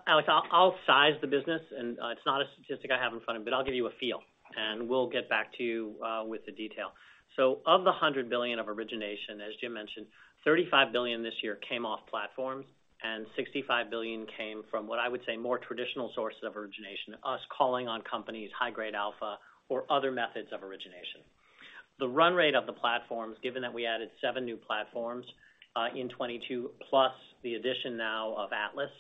Alex, I'll size the business, and it's not a statistic I have in front of me, but I'll give you a feel, and we'll get back to you with the detail. Of the 100 billion of origination, as Jim Zelter mentioned, 35 billion this year came off platforms, and $65 billion came from what I would say more traditional sources of origination, us calling on companies high grade alpha or other methods of origination. The run rate of the platforms, given that we added seven new platforms in 2022, plus the addition now of Atlas,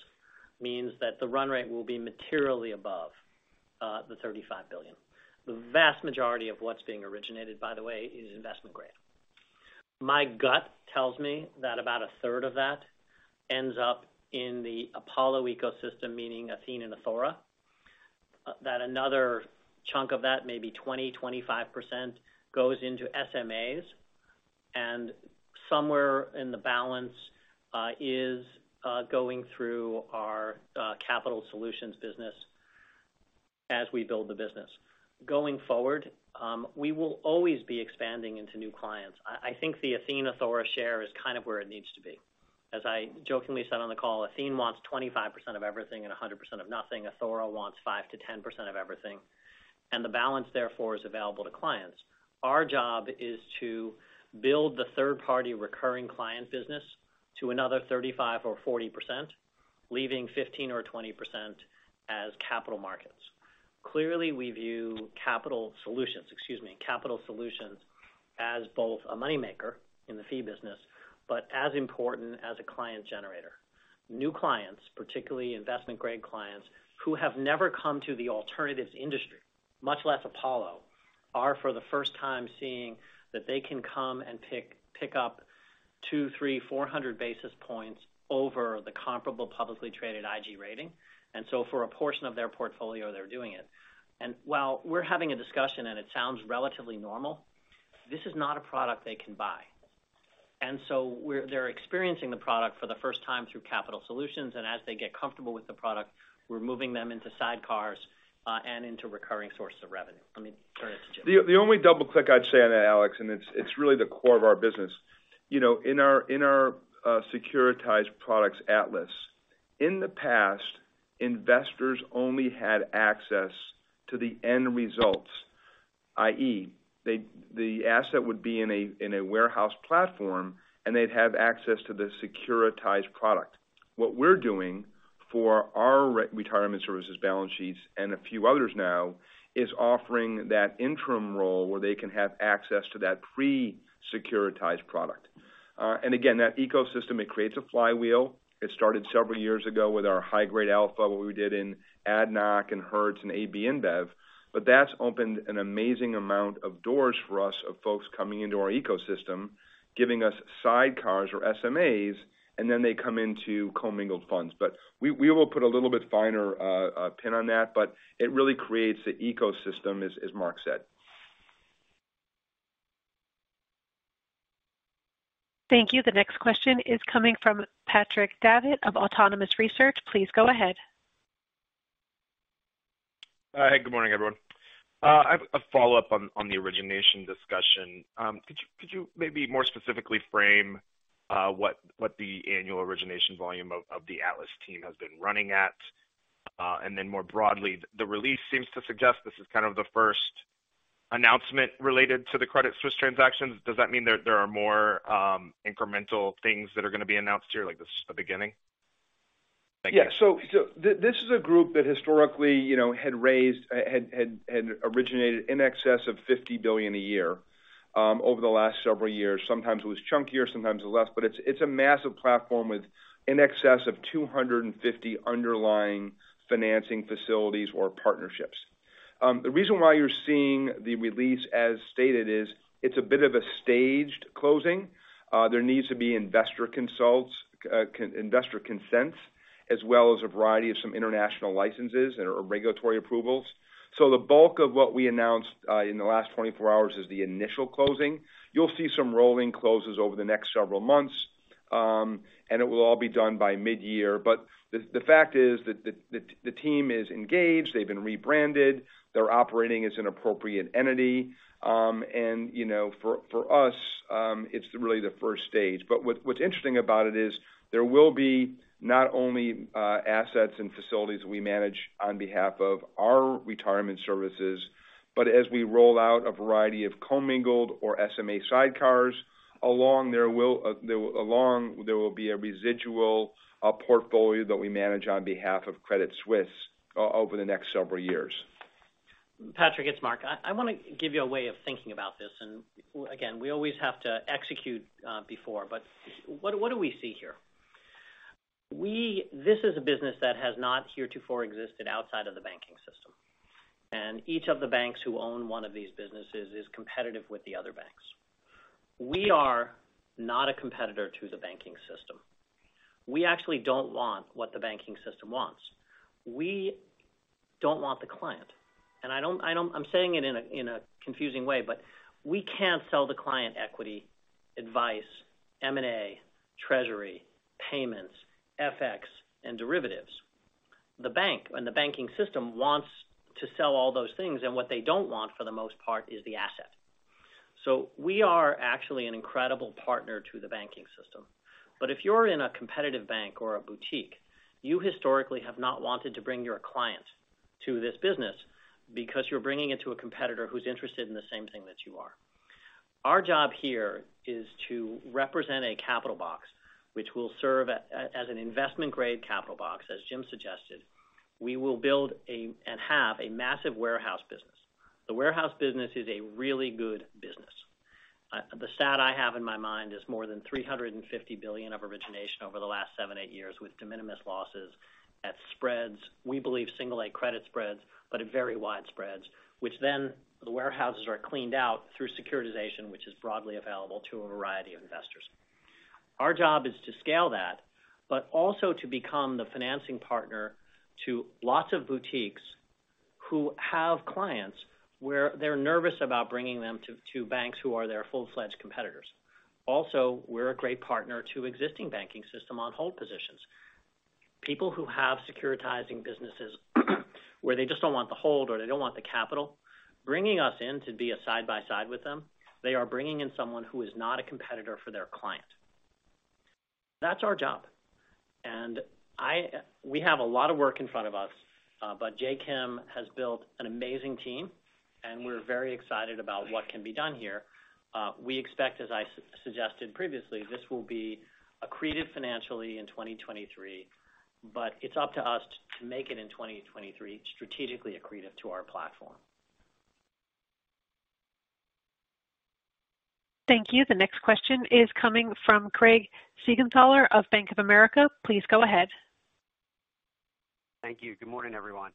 means that the run rate will be materially above the 35 billion. The vast majority of what's being originated, by the way, is investment-grade. My gut tells me that about a third of that ends up in the Apollo ecosystem, meaning Athene and Athora, that another chunk of that may be 20, 25% goes into SMAs, and somewhere in the balance is going through our capital solutions business as we build the business. Going forward, we will always be expanding into new clients. I think the Athene, Athora share is kind of where it needs to be. As I jokingly said on the call, Athene wants 25% of everything and 100% of nothing. Athora wants 5%-10% of everything, the balance, therefore, is available to clients. Our job is to build the third-party recurring client business to another 35% or 40%, leaving 15% or 20% as capital markets. Clearly, we view capital solutions, excuse me, capital solutions as both a money maker in the fee business, but as important as a client generator. New clients, particularly investment-grade clients, who have never come to the alternatives industry, much less Apollo, are for the first time seeing that they can come and pick up two, three, four hundred basis points over the comparable publicly traded IG rating. For a portion of their portfolio, they're doing it. While we're having a discussion and it sounds relatively normal, this is not a product they can buy. They're experiencing the product for the first time through capital solutions, and as they get comfortable with the product, we're moving them into sidecars and into recurring sources of revenue. Let me turn it to Jim. The only double click I'd say on that, Alex, and it's really the core of our business. You know, in our securitized products Atlas. In the past, investors only had access to the end results, i.e., the asset would be in a warehouse platform, and they'd have access to the securitized product. What we're doing for our Retirement Services balance sheets and a few others now is offering that interim role where they can have access to that pre-securitized product. Again, that ecosystem, it creates a flywheel. It started several years ago with our high-grade alpha, what we did in ADNOC and Hertz and AB InBev. That's opened an amazing amount of doors for us of folks coming into our ecosystem, giving us sidecars or SMAs, and then they come into commingled funds. We will put a little bit finer pin on that, but it really creates the ecosystem, as Marc said. Thank you. The next question is coming from Patrick Davitt of Autonomous Research. Please go ahead. Good morning, everyone. I've a follow-up on the origination discussion. Could you maybe more specifically frame what the annual origination volume of the Atlas team has been running at? Then more broadly, the release seems to suggest this is kind of the first announcement related to the Credit Suisse transactions. Does that mean there are more incremental things that are going to be announced here, like, this is the beginning? Thank you. This is a group that historically, you know, had originated in excess of 50 billion a year over the last several years. Sometimes it was chunkier, sometimes it was less, it's a massive platform with in excess of 250 underlying financing facilities or partnerships. The reason why you're seeing the release as stated is, it's a bit of a staged closing. There needs to be investor consults, investor consents, as well as a variety of some international licenses or regulatory approvals. The bulk of what we announced in the last 24 hours is the initial closing. You'll see some rolling closes over the next several months, and it will all be done by mid-year. The fact is that the team is engaged. They've been rebranded. They're operating as an appropriate entity. you know, for us, it's really the first stage. what's interesting about it is there will be not only assets and facilities we manage on behalf of our retirement services, but as we roll out a variety of commingled or SMA sidecars, along there will be a residual portfolio that we manage on behalf of Credit Suisse over the next several years. Patrick, it's Marc. I want to give you a way of thinking about this. Again, we always have to execute before. What do we see here? This is a business that has not heretofore existed outside of the banking system, and each of the banks who own one of these businesses is competitive with the other banks. We are not a competitor to the banking system. We actually don't want what the banking system wants. We don't want the client, and I don't... I'm saying it in a, in a confusing way, but we can't sell the client equity, advice, M and A, treasury, payments, FX, and derivatives. The bank and the banking system wants to sell all those things, and what they don't want, for the most part, is the asset. We are actually an incredible partner to the banking system. If you're in a competitive bank or a boutique, you historically have not wanted to bring your client to this business because you're bringing it to a competitor who's interested in the same thing that you are. Our job here is to represent a capital box, which will serve as an investment-grade capital box, as Jim suggested. We will build and have a massive warehouse business. The warehouse business is a really good business. The stat I have in my mind is more than 350 billion of origination over the last seven, eight years with de minimis losses at spreads. We believe single A credit spreads, but at very wide spreads, which then the warehouses are cleaned out through securitization, which is broadly available to a variety of investors. Our job is to scale that, but also to become the financing partner to lots of boutiques who have clients where they're nervous about bringing them to banks who are their full-fledged competitors. Also, we're a great partner to existing banking system on hold positions. People who have securitizing businesses where they just don't want the hold or they don't want the capital, bringing us in to be a side-by-side with them, they are bringing in someone who is not a competitor for their client. That's our job. We have a lot of work in front of us, but Jay Kim has built an amazing team, and we're very excited about what can be done here. We expect, as I suggested previously, this will be accretive financially in 2023, but it's up to us to make it in 2023 strategically accretive to our platform. Thank you. The next question is coming from Craig Siegenthaler of Bank of America. Please go ahead. Thank you. Good morning, everyone.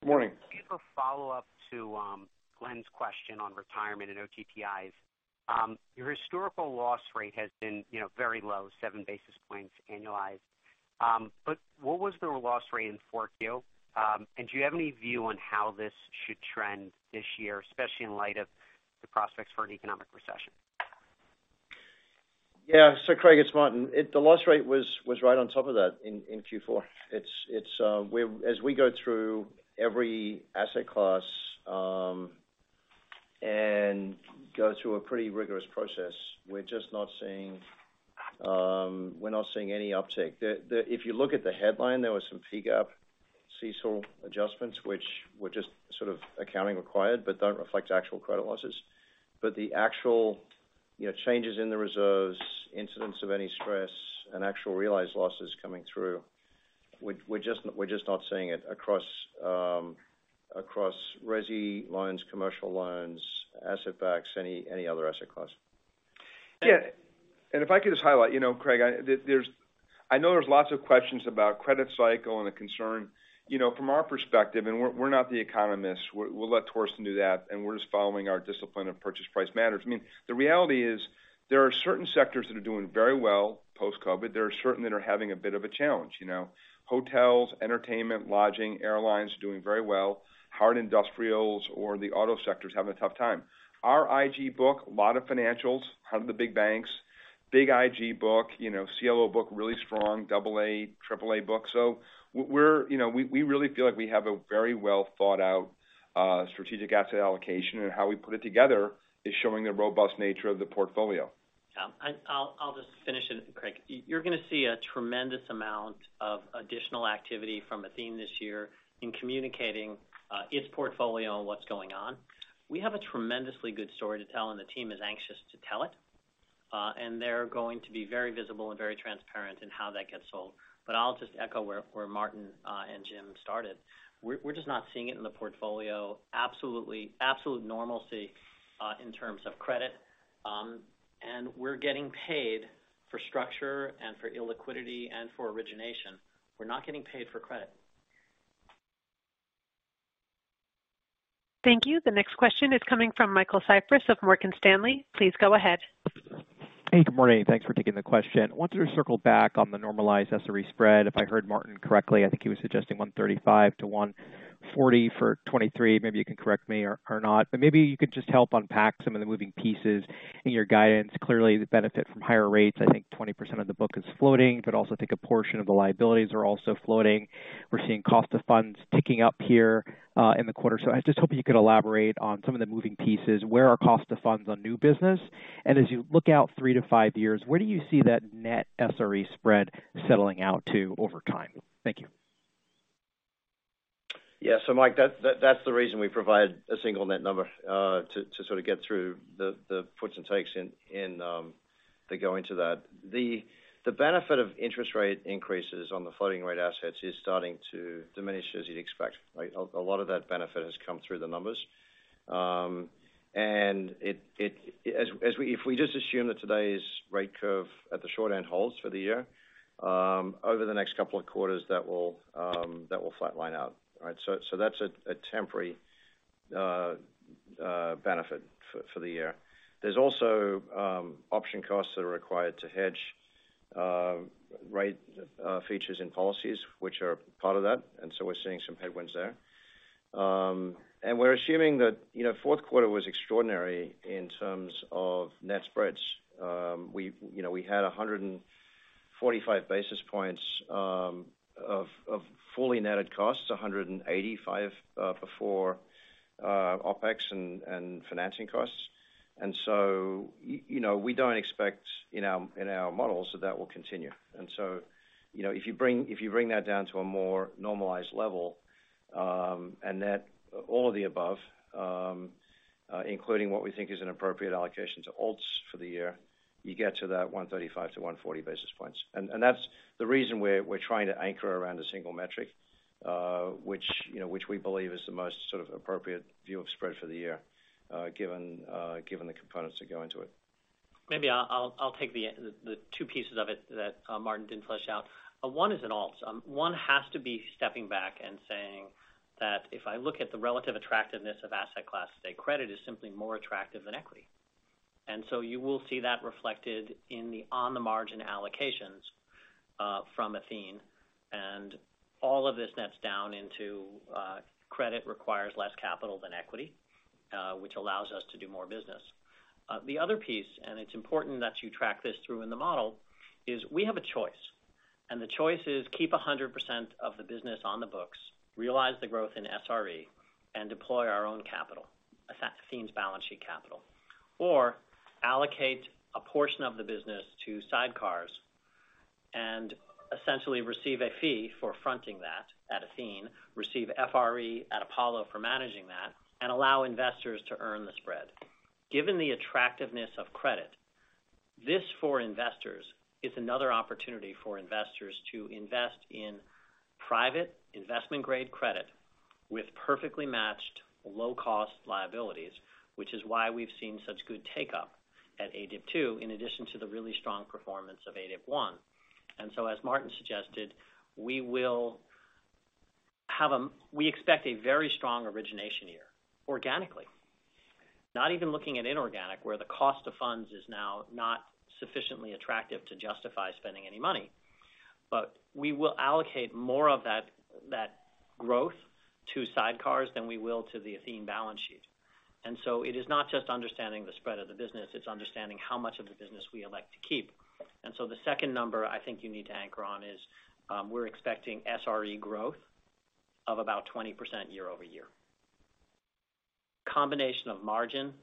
Good morning. A follow-up to Glenn's question on retirement and OTTIs. Your historical loss rate has been, you know very low, 7 basis points annualized. What was the loss rate in 4Q? Do you have any view on how this should trend this year, especially in light of the prospects for an economic recession? Craig, it's Martin. The loss rate was right on top of that in Q4. It's as we go through every asset class and go through a pretty rigorous process, we're just not seeing any uptick. The if you look at the headline, there was some fee GAAP, seesaw adjustments, which were just sort of accounting required but don't reflect actual credit losses. The actual, you know, changes in the reserves, incidents of any stress and actual realized losses coming through, we're just not seeing it across resi loans, commercial loans, asset backs, any other asset class. Yeah. If I could just highlight, you know, Craig, I know there's lots of questions about credit cycle and the concern. You know, from our perspective, and we're not the economists, we'll let Torsten do that, and we're just following our discipline of purchase price matters. I mean, the reality is there are certain sectors that are doing very well post-COVID. There are certain that are having a bit of a challenge. You know, hotels, entertainment, lodging, airlines doing very well. Hard industrials or the auto sector is having a tough time. Our IG book, a lot of financials out of the big banks. Big IG book, you know, CLO book, really strong, AA, Apollo Aligned Alternatives book. We're, you know, we really feel like we have a very well thought out, strategic asset allocation, and how we put it together is showing the robust nature of the portfolio. I'll just finish it, Craig. You're going to see a tremendous amount of additional activity from Athene this year in communicating its portfolio and what's going on. We have a tremendously good story to tell, and the team is anxious to tell it. They're going to be very visible and very transparent in how that gets sold. I'll just echo where Martin and Jim started. We're just not seeing it in the portfolio. Absolute normalcy in terms of credit. We're getting paid for structure and for illiquidity and for origination. We're not getting paid for credit. Thank you. The next question is coming from Michael Cyprys of Morgan Stanley. Please go ahead. Hey, good morning. Thanks for taking the question. I wanted to circle back on the normalized SRE spread. If I heard Martin Kelly correctly, I think he was suggesting 135-140 for 2023. Maybe you can correct me or not. Maybe you could just help unpack some of the moving pieces in your guidance. Clearly, the benefit from higher rates, I think 20% of the book is floating, but also think a portion of the liabilities are also floating. We're seeing cost of funds ticking up here in the quarter. I was just hoping you could elaborate on some of the moving pieces. Where are cost of funds on new business? As you look out three-five years, where do you see that net SRE spread settling out to over time? Thank you. Yeah. Mike, that's the reason we provide a single net number to sort of get through the puts and takes in that go into that. The benefit of interest rate increases on the floating rate assets is starting to diminish as you'd expect, right? A lot of that benefit has come through the numbers. If we just assume that today's rate curve at the short end holds for the year, over the next two quarters that will flat line out. All right? That's a temporary benefit for the year. There's also option costs that are required to hedge rate features and policies, which are part of that, we're seeing some headwinds there. We're assuming that 4th quarter was extraordinary in terms of net spreads. We had 145 basis points of fully netted costs, 185 before OpEx and financing costs. We don't expect in our models that that will continue. If you bring that down to a more normalized level and net all of the above, including what we think is an appropriate allocation to alts for the year, you get to that 135-140 basis points. That's the reason we're trying to anchor around a single metric, which, you know, which we believe is the most sort of appropriate view of spread for the year, given the components that go into it. Maybe I'll take the two pieces of it that Martin didn't flesh out. One is in alts. One has to be stepping back and saying that if I look at the relative attractiveness of asset class today, credit is simply more attractive than equity. You will see that reflected in the on-the-margin allocations from Athene. All of this nets down into credit requires less capital than equity, which allows us to do more business. The other piece, and it's important that you track this through in the model, is we have a choice. The choice is keep 100% of the business on the books, realize the growth in SRE, and deploy our own capital, Athene's balance sheet capital. Allocate a portion of the business to sidecars and essentially receive a fee for fronting that at Athene, receive FRE at Apollo for managing that and allow investors to earn the spread. Given the attractiveness of credit, this for investors is another opportunity for investors to invest in private investment-grade credit with perfectly matched low-cost liabilities. Which is why we've seen such good take-up at ADIP II, in addition to the really strong performance of ADIP I. As Martin suggested, we expect a very strong origination year organically. Not even looking at inorganic, where the cost of funds is now not sufficiently attractive to justify spending any money. We will allocate more of that growth to sidecars than we will to the Athene balance sheet. It is not just understanding the spread of the business, it's understanding how much of the business we elect to keep. The second number I think you need to anchor on is, we're expecting SRE growth of about 20% year-over-year. Combination of margin,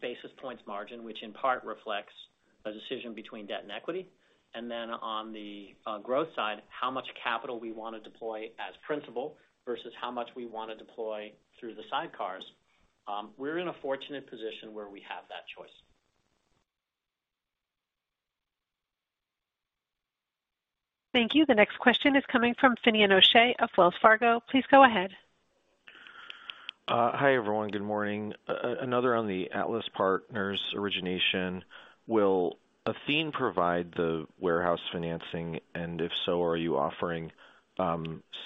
basis points margin, which in part reflects a decision between debt and equity. And then on the growth side, how much capital we want to deploy as principal versus how much we want to deploy through the sidecars. We're in a fortunate position where we have that choice. Thank you. The next question is coming from Finian O'Shea of Wells Fargo. Please go ahead. Hi, everyone. Good morning. Another on the Atlas SP Partners origination. Will Athene provide the warehouse financing? If so, are you offering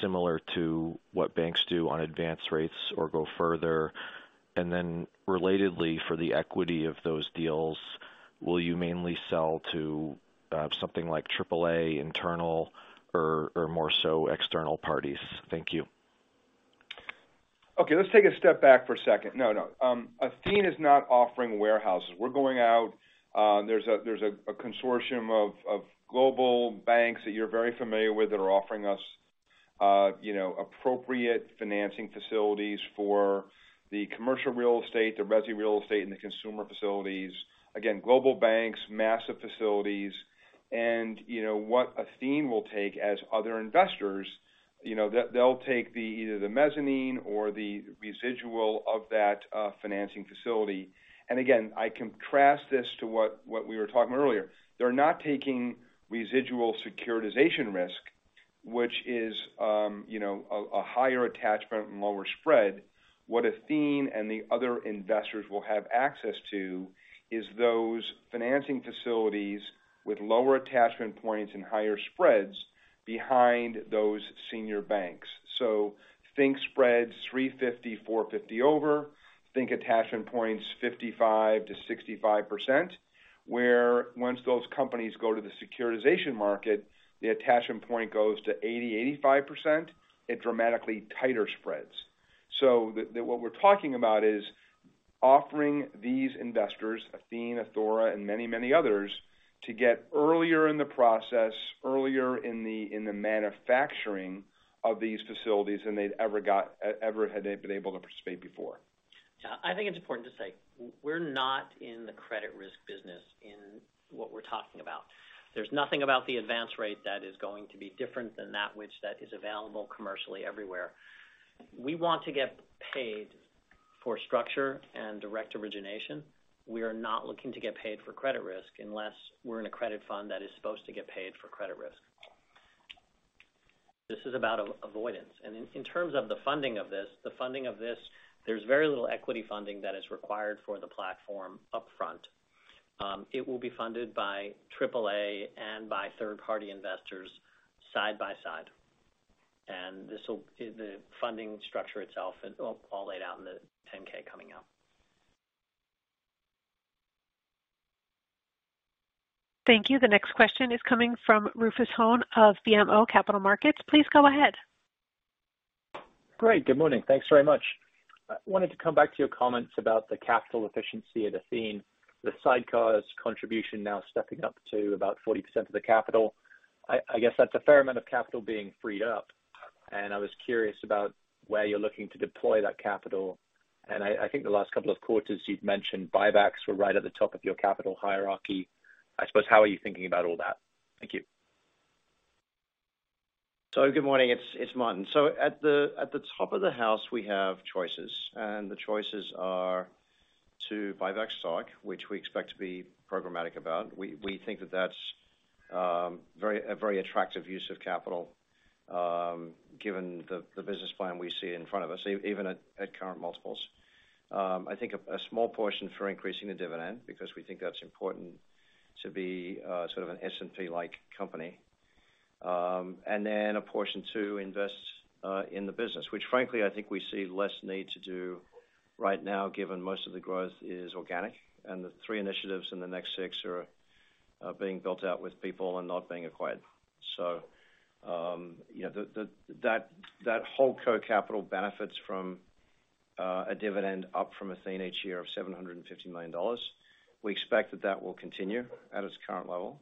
similar to what banks do on advanced rates or go further? Relatedly, for the equity of those deals, will you mainly sell to something like Apollo Aligned Alternatives internal or more so external parties? Thank you. Okay, let's take a step back for a second. No, no. Athene is not offering warehouses. We're going out, there's a consortium of global banks that you're very familiar with that are offering us, you know, appropriate financing facilities for the commercial real estate, the resi real estate, and the consumer facilities. Again, global banks, massive facilities. You know, what Athene will take as other investors, you know, they'll take the either the mezzanine or the residual of that financing facility. Again, I contrast this to what we were talking earlier. They're not taking residual securitization risk, which is, you know, a higher attachment and lower spread. What Athene and the other investors will have access to is those financing facilities with lower attachment points and higher spreads behind those senior banks. Think spreads 350, 450 over. Think attachment points 55%-65%. Where once those companies go to the securitization market, the attachment point goes to 80%, 85% at dramatically tighter spreads. The what we're talking about is offering these investors, Athene, Athora, and many, many others, to get earlier in the process, earlier in the manufacturing of these facilities than they'd ever had they been able to participate before. I think it's important to say we're not in the credit risk business in what we're talking about. There's nothing about the advance rate that is going to be different than that which is available commercially everywhere. We want to get paid for structure and direct origination. We are not looking to get paid for credit risk unless we're in a credit fund that is supposed to get paid for credit risk. This is about avoidance. In terms of the funding of this, there's very little equity funding that is required for the platform upfront. It will be funded by Apollo Aligned Alternatives and by third-party investors side by side. The funding structure itself is all laid out in the 10-K coming out. Thank you. The next question is coming from Rufus Hone of BMO Capital Markets. Please go ahead. Great. Good morning. Thanks very much. I wanted to come back to your comments about the capital efficiency at Athene. The sidecars contribution now stepping up to about 40% of the capital. I guess that's a fair amount of capital being freed up, and I was curious about where you're looking to deploy that capital. I think the last couple of quarters you'd mentioned buybacks were right at the top of your capital hierarchy. I suppose, how are you thinking about all that? Thank you. Good morning. It's Martin. At the top of the house, we have choices, and the choices are to buy back stock, which we expect to be programmatic about. We think that that's a very attractive use of capital, given the business plan we see in front of us, even at current multiples. I think a small portion for increasing the dividend because we think that's important to be sort of an S&P-like company. A portion to invest in the business, which frankly, I think we see less need to do. Right now, given most of the growth is organic, and the three initiatives in the next six are being built out with people and not being acquired. You know, the, that holdco capital benefits from a dividend up from Athene each year of $750 million. We expect that that will continue at its current level.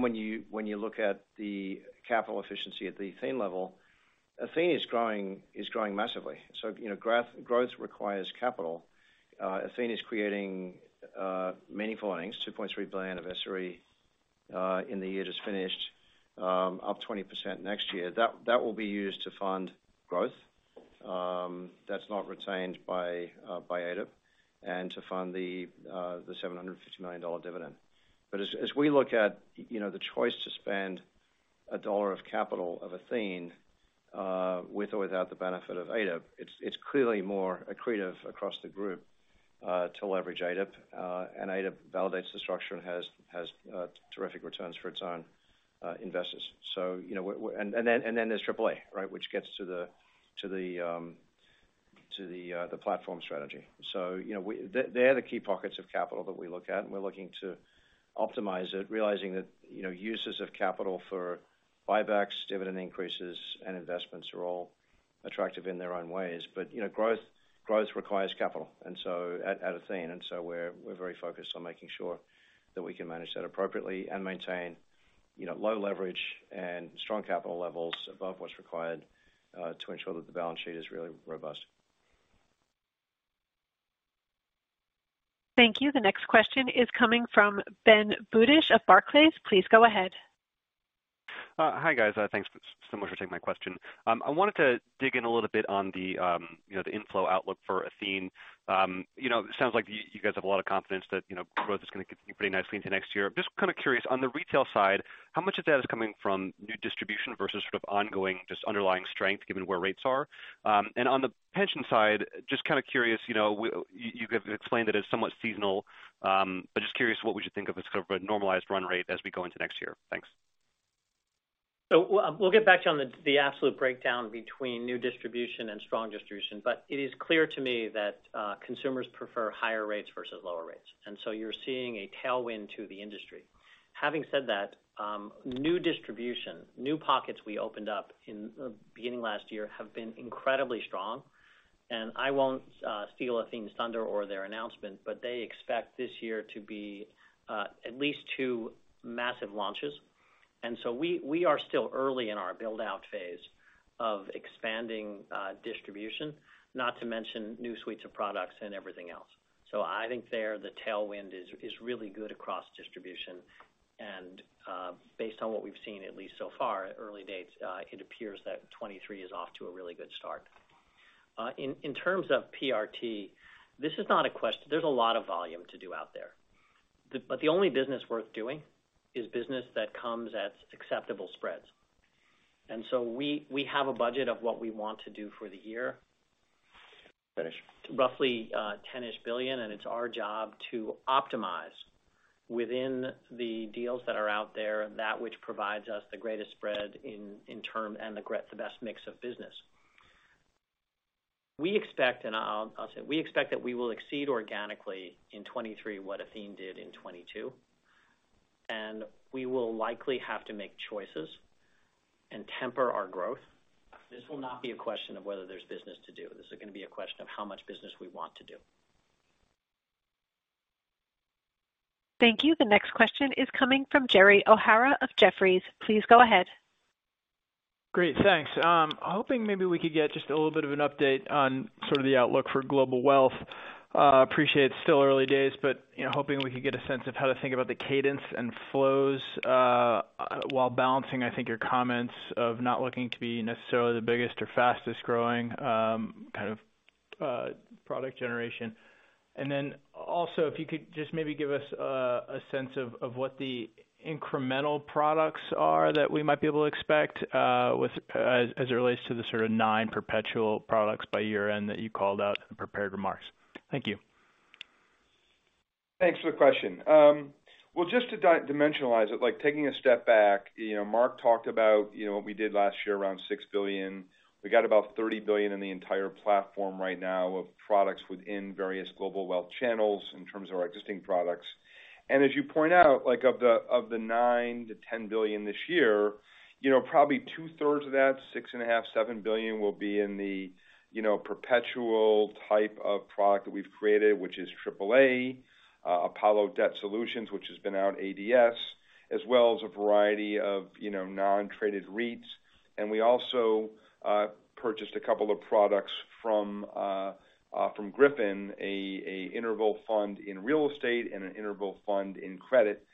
When you, when you look at the capital efficiency at the Athene level, Athene is growing massively. You know, growth requires capital. Athene is creating meaningful earnings, $2.3 billion of SRE in the year just finished, up 20% next year. That will be used to fund growth, that's not retained by ADIP and to fund the $750 million dividend. As we look at, you know, the choice to spend a dollar of capital of Athene, with or without the benefit of ADIP, it's clearly more accretive across the group to leverage ADIP. ADIP validates the structure and has terrific returns for its own investors. And then there's Apollo Aligned Alternatives, right? Which gets to the platform strategy. You know, they are the key pockets of capital that we look at, and we're looking to optimize it, realizing that, you know, uses of capital for buybacks, dividend increases, and investments are all attractive in their own ways. You know, growth requires capital. Athene, and so we're very focused on making sure that we can manage that appropriately and maintain, you know, low leverage and strong capital levels above what's required to ensure that the balance sheet is really robust. Thank you. The next question is coming from Ben Budi of Barclays. Please go ahead. Hi, guys. Thanks so much for taking my question. I wanted to dig in a little bit on the, you know, the inflow outlook for Athene. You know, it sounds like you guys have a lot of confidence that, you know, growth is going to continue pretty nicely into next year. Just kind of curious, on the retail side, how much of that is coming from new distribution versus sort of ongoing, just underlying strength given where rates are? On the pension side, just kind of curious, you know, you've explained that it's somewhat seasonal, but just curious what we should think of as kind of a normalized run rate as we go into next year. Thanks. We'll get back to you on the absolute breakdown between new distribution and strong distribution, but it is clear to me that consumers prefer higher rates versus lower rates. You're seeing a tailwind to the industry. Having said that, new distribution, new pockets we opened up in the beginning of last year have been incredibly strong. I won't steal Athene's thunder or their announcement, but they expect this year to be at least two massive launches. We are still early in our build-out phase of expanding distribution, not to mention new suites of products and everything else. I think there, the tailwind is really good across distribution. Based on what we've seen, at least so far at early dates, it appears that 23 is off to a really good start. In terms of PRT, this is not a. There's a lot of volume to do out there. The only business worth doing is business that comes at acceptable spreads. We have a budget of what we want to do for the year. Finish. Roughly, 10-ish billion. It's our job to optimize within the deals that are out there that which provides us the greatest spread in term and the best mix of business. We expect, I'll say, we expect that we will exceed organically in 2023 what Athene did in 2022. We will likely have to make choices and temper our growth. This will not be a question of whether there's business to do. This is going to be a question of how much business we want to do. Thank you. The next question is coming from Gerald O'Hara of Jefferies. Please go ahead. Great. Thanks. Hoping maybe we could get just a little bit of an update on sort of the outlook for global wealth. Appreciate it's still early days, but, you know, hoping we could get a sense of how to think about the cadence and flows, while balancing, I think, your comments of not looking to be necessarily the biggest or fastest-growing, kind of, product generation. If you could just maybe give us a sense of what the incremental products are that we might be able to expect, as it relates to the sort of nine perpetual products by year-end that you called out in prepared remarks. Thank you. Thanks for the question. Well, just to dimensionalize it, like taking a step back, you know, Marc talked about, you know, what we did last year, around $6 billion. We got about $30 billion in the entire platform right now of products within various global wealth channels in terms of our existing products. As you point out, like of the $9 billion-$10 billion this year, you know, probably two-thirds of that, 6.5 billion-7 billion will be in the, you know, perpetual type of product that we've created, which is Apollo Aligned Alternatives, Apollo Debt Solutions, which has been out ADS, as well as a variety of, you know, non-traded REITs. We also purchased a couple of products from Griffin, a interval fund in real estate and an interval fund in credit.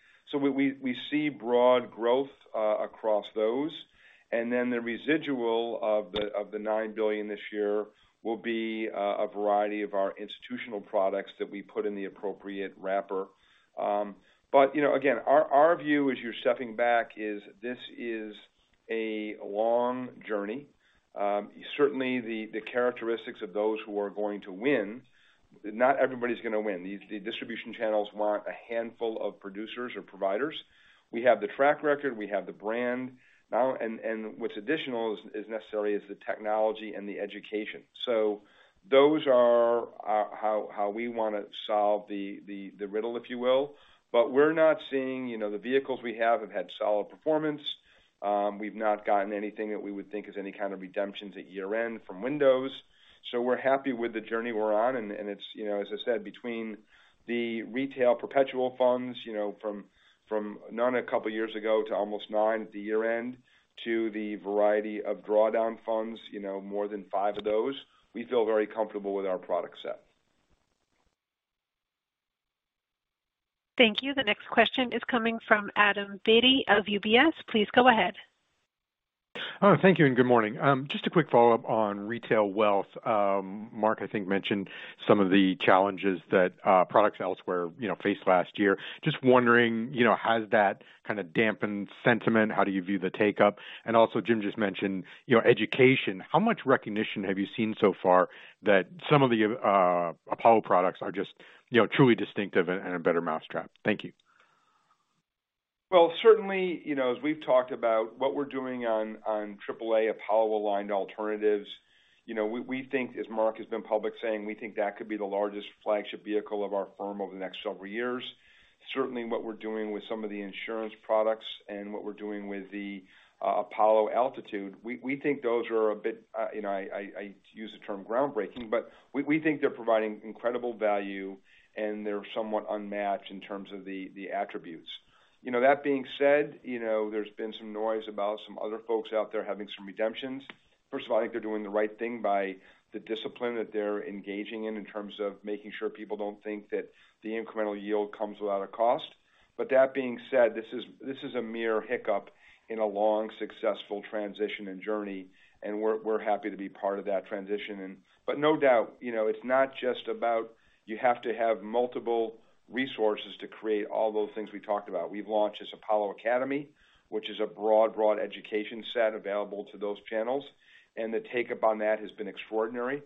we see broad growth across those. The residual of the 9 billion this year will be a variety of our institutional products that we put in the appropriate wrapper. You know, again, our view as you're stepping back is this is a long journey. Certainly the characteristics of those who are going to win. Not everybody's going to win. The distribution channels want a handful of producers or providers. We have the track record, we have the brand. what's additional is necessarily the technology and the education. Those are how we want to solve the riddle, if you will. we're not seeing. You know, the vehicles we have had solid performance. We've not gotten anything that we would think is any kind of redemptions at year-end from windows. We're happy with the journey we're on and it's, you know, as I said, between the retail perpetual funds, you know, from none a couple years ago to almost nine at the year-end, to the variety of drawdown funds, you know, more than five of those, we feel very comfortable with our product set. Thank you. The next question is coming from Adam Beatty of UBS. Please go ahead. Thank you, good morning. Just a quick follow-up on retail wealth. Marc, I think, mentioned some of the challenges that products elsewhere, you know, faced last year. Just wondering, you know, has that kinda dampened sentiment? How do you view the take-up? Jim just mentioned, you know, education. How much recognition have you seen so far that some of the Apollo products are just, you know, truly distinctive and a better mousetrap? Thank you. Well, certainly, you know, as we've talked about what we're doing on Apollo Aligned Alternatives Apollo Aligned Alternatives, you know, we think, as Marc Rowan has been public saying, we think that could be the largest flagship vehicle of our firm over the next several years. Certainly what we're doing with some of the insurance products and what we're doing with the Athene Amplify, we think those are a bit, you know, I use the term groundbreaking, but we think they're providing incredible value, and they're somewhat unmatched in terms of the attributes. You know, that being said, you know, there's been some noise about some other folks out there having some redemptions. I think they're doing the right thing by the discipline that they're engaging in in terms of making sure people don't think that the incremental yield comes without a cost. That being said, this is a mere hiccup in a long, successful transition and journey, and we're happy to be part of that transition. No doubt, you know, it's not just about you have to have multiple resources to create all those things we talked about. We've launched this Apollo Academy, which is a broad education set available to those channels, and the take-up on that has been extraordinary.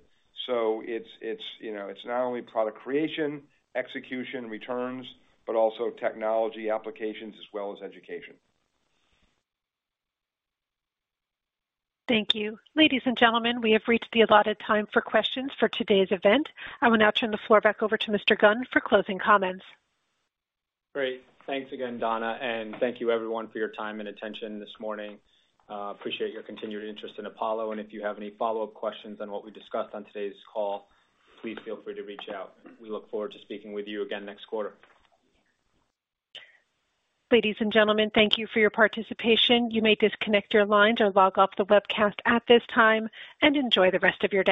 It's, you know, it's not only product creation, execution, returns, but also technology applications as well as education. Thank you. Ladies and gentlemen, we have reached the allotted time for questions for today's event. I will now turn the floor back over to Mr. Noah Gunn for closing comments. Great. Thanks again, Donna. Thank you everyone for your time and attention this morning. Appreciate your continued interest in Apollo, and if you have any follow-up questions on what we discussed on today's call, please feel free to reach out. We look forward to speaking with you again next quarter. Ladies and gentlemen, thank you for your participation. You may disconnect your lines or log off the webcast at this time, and enjoy the rest of your day.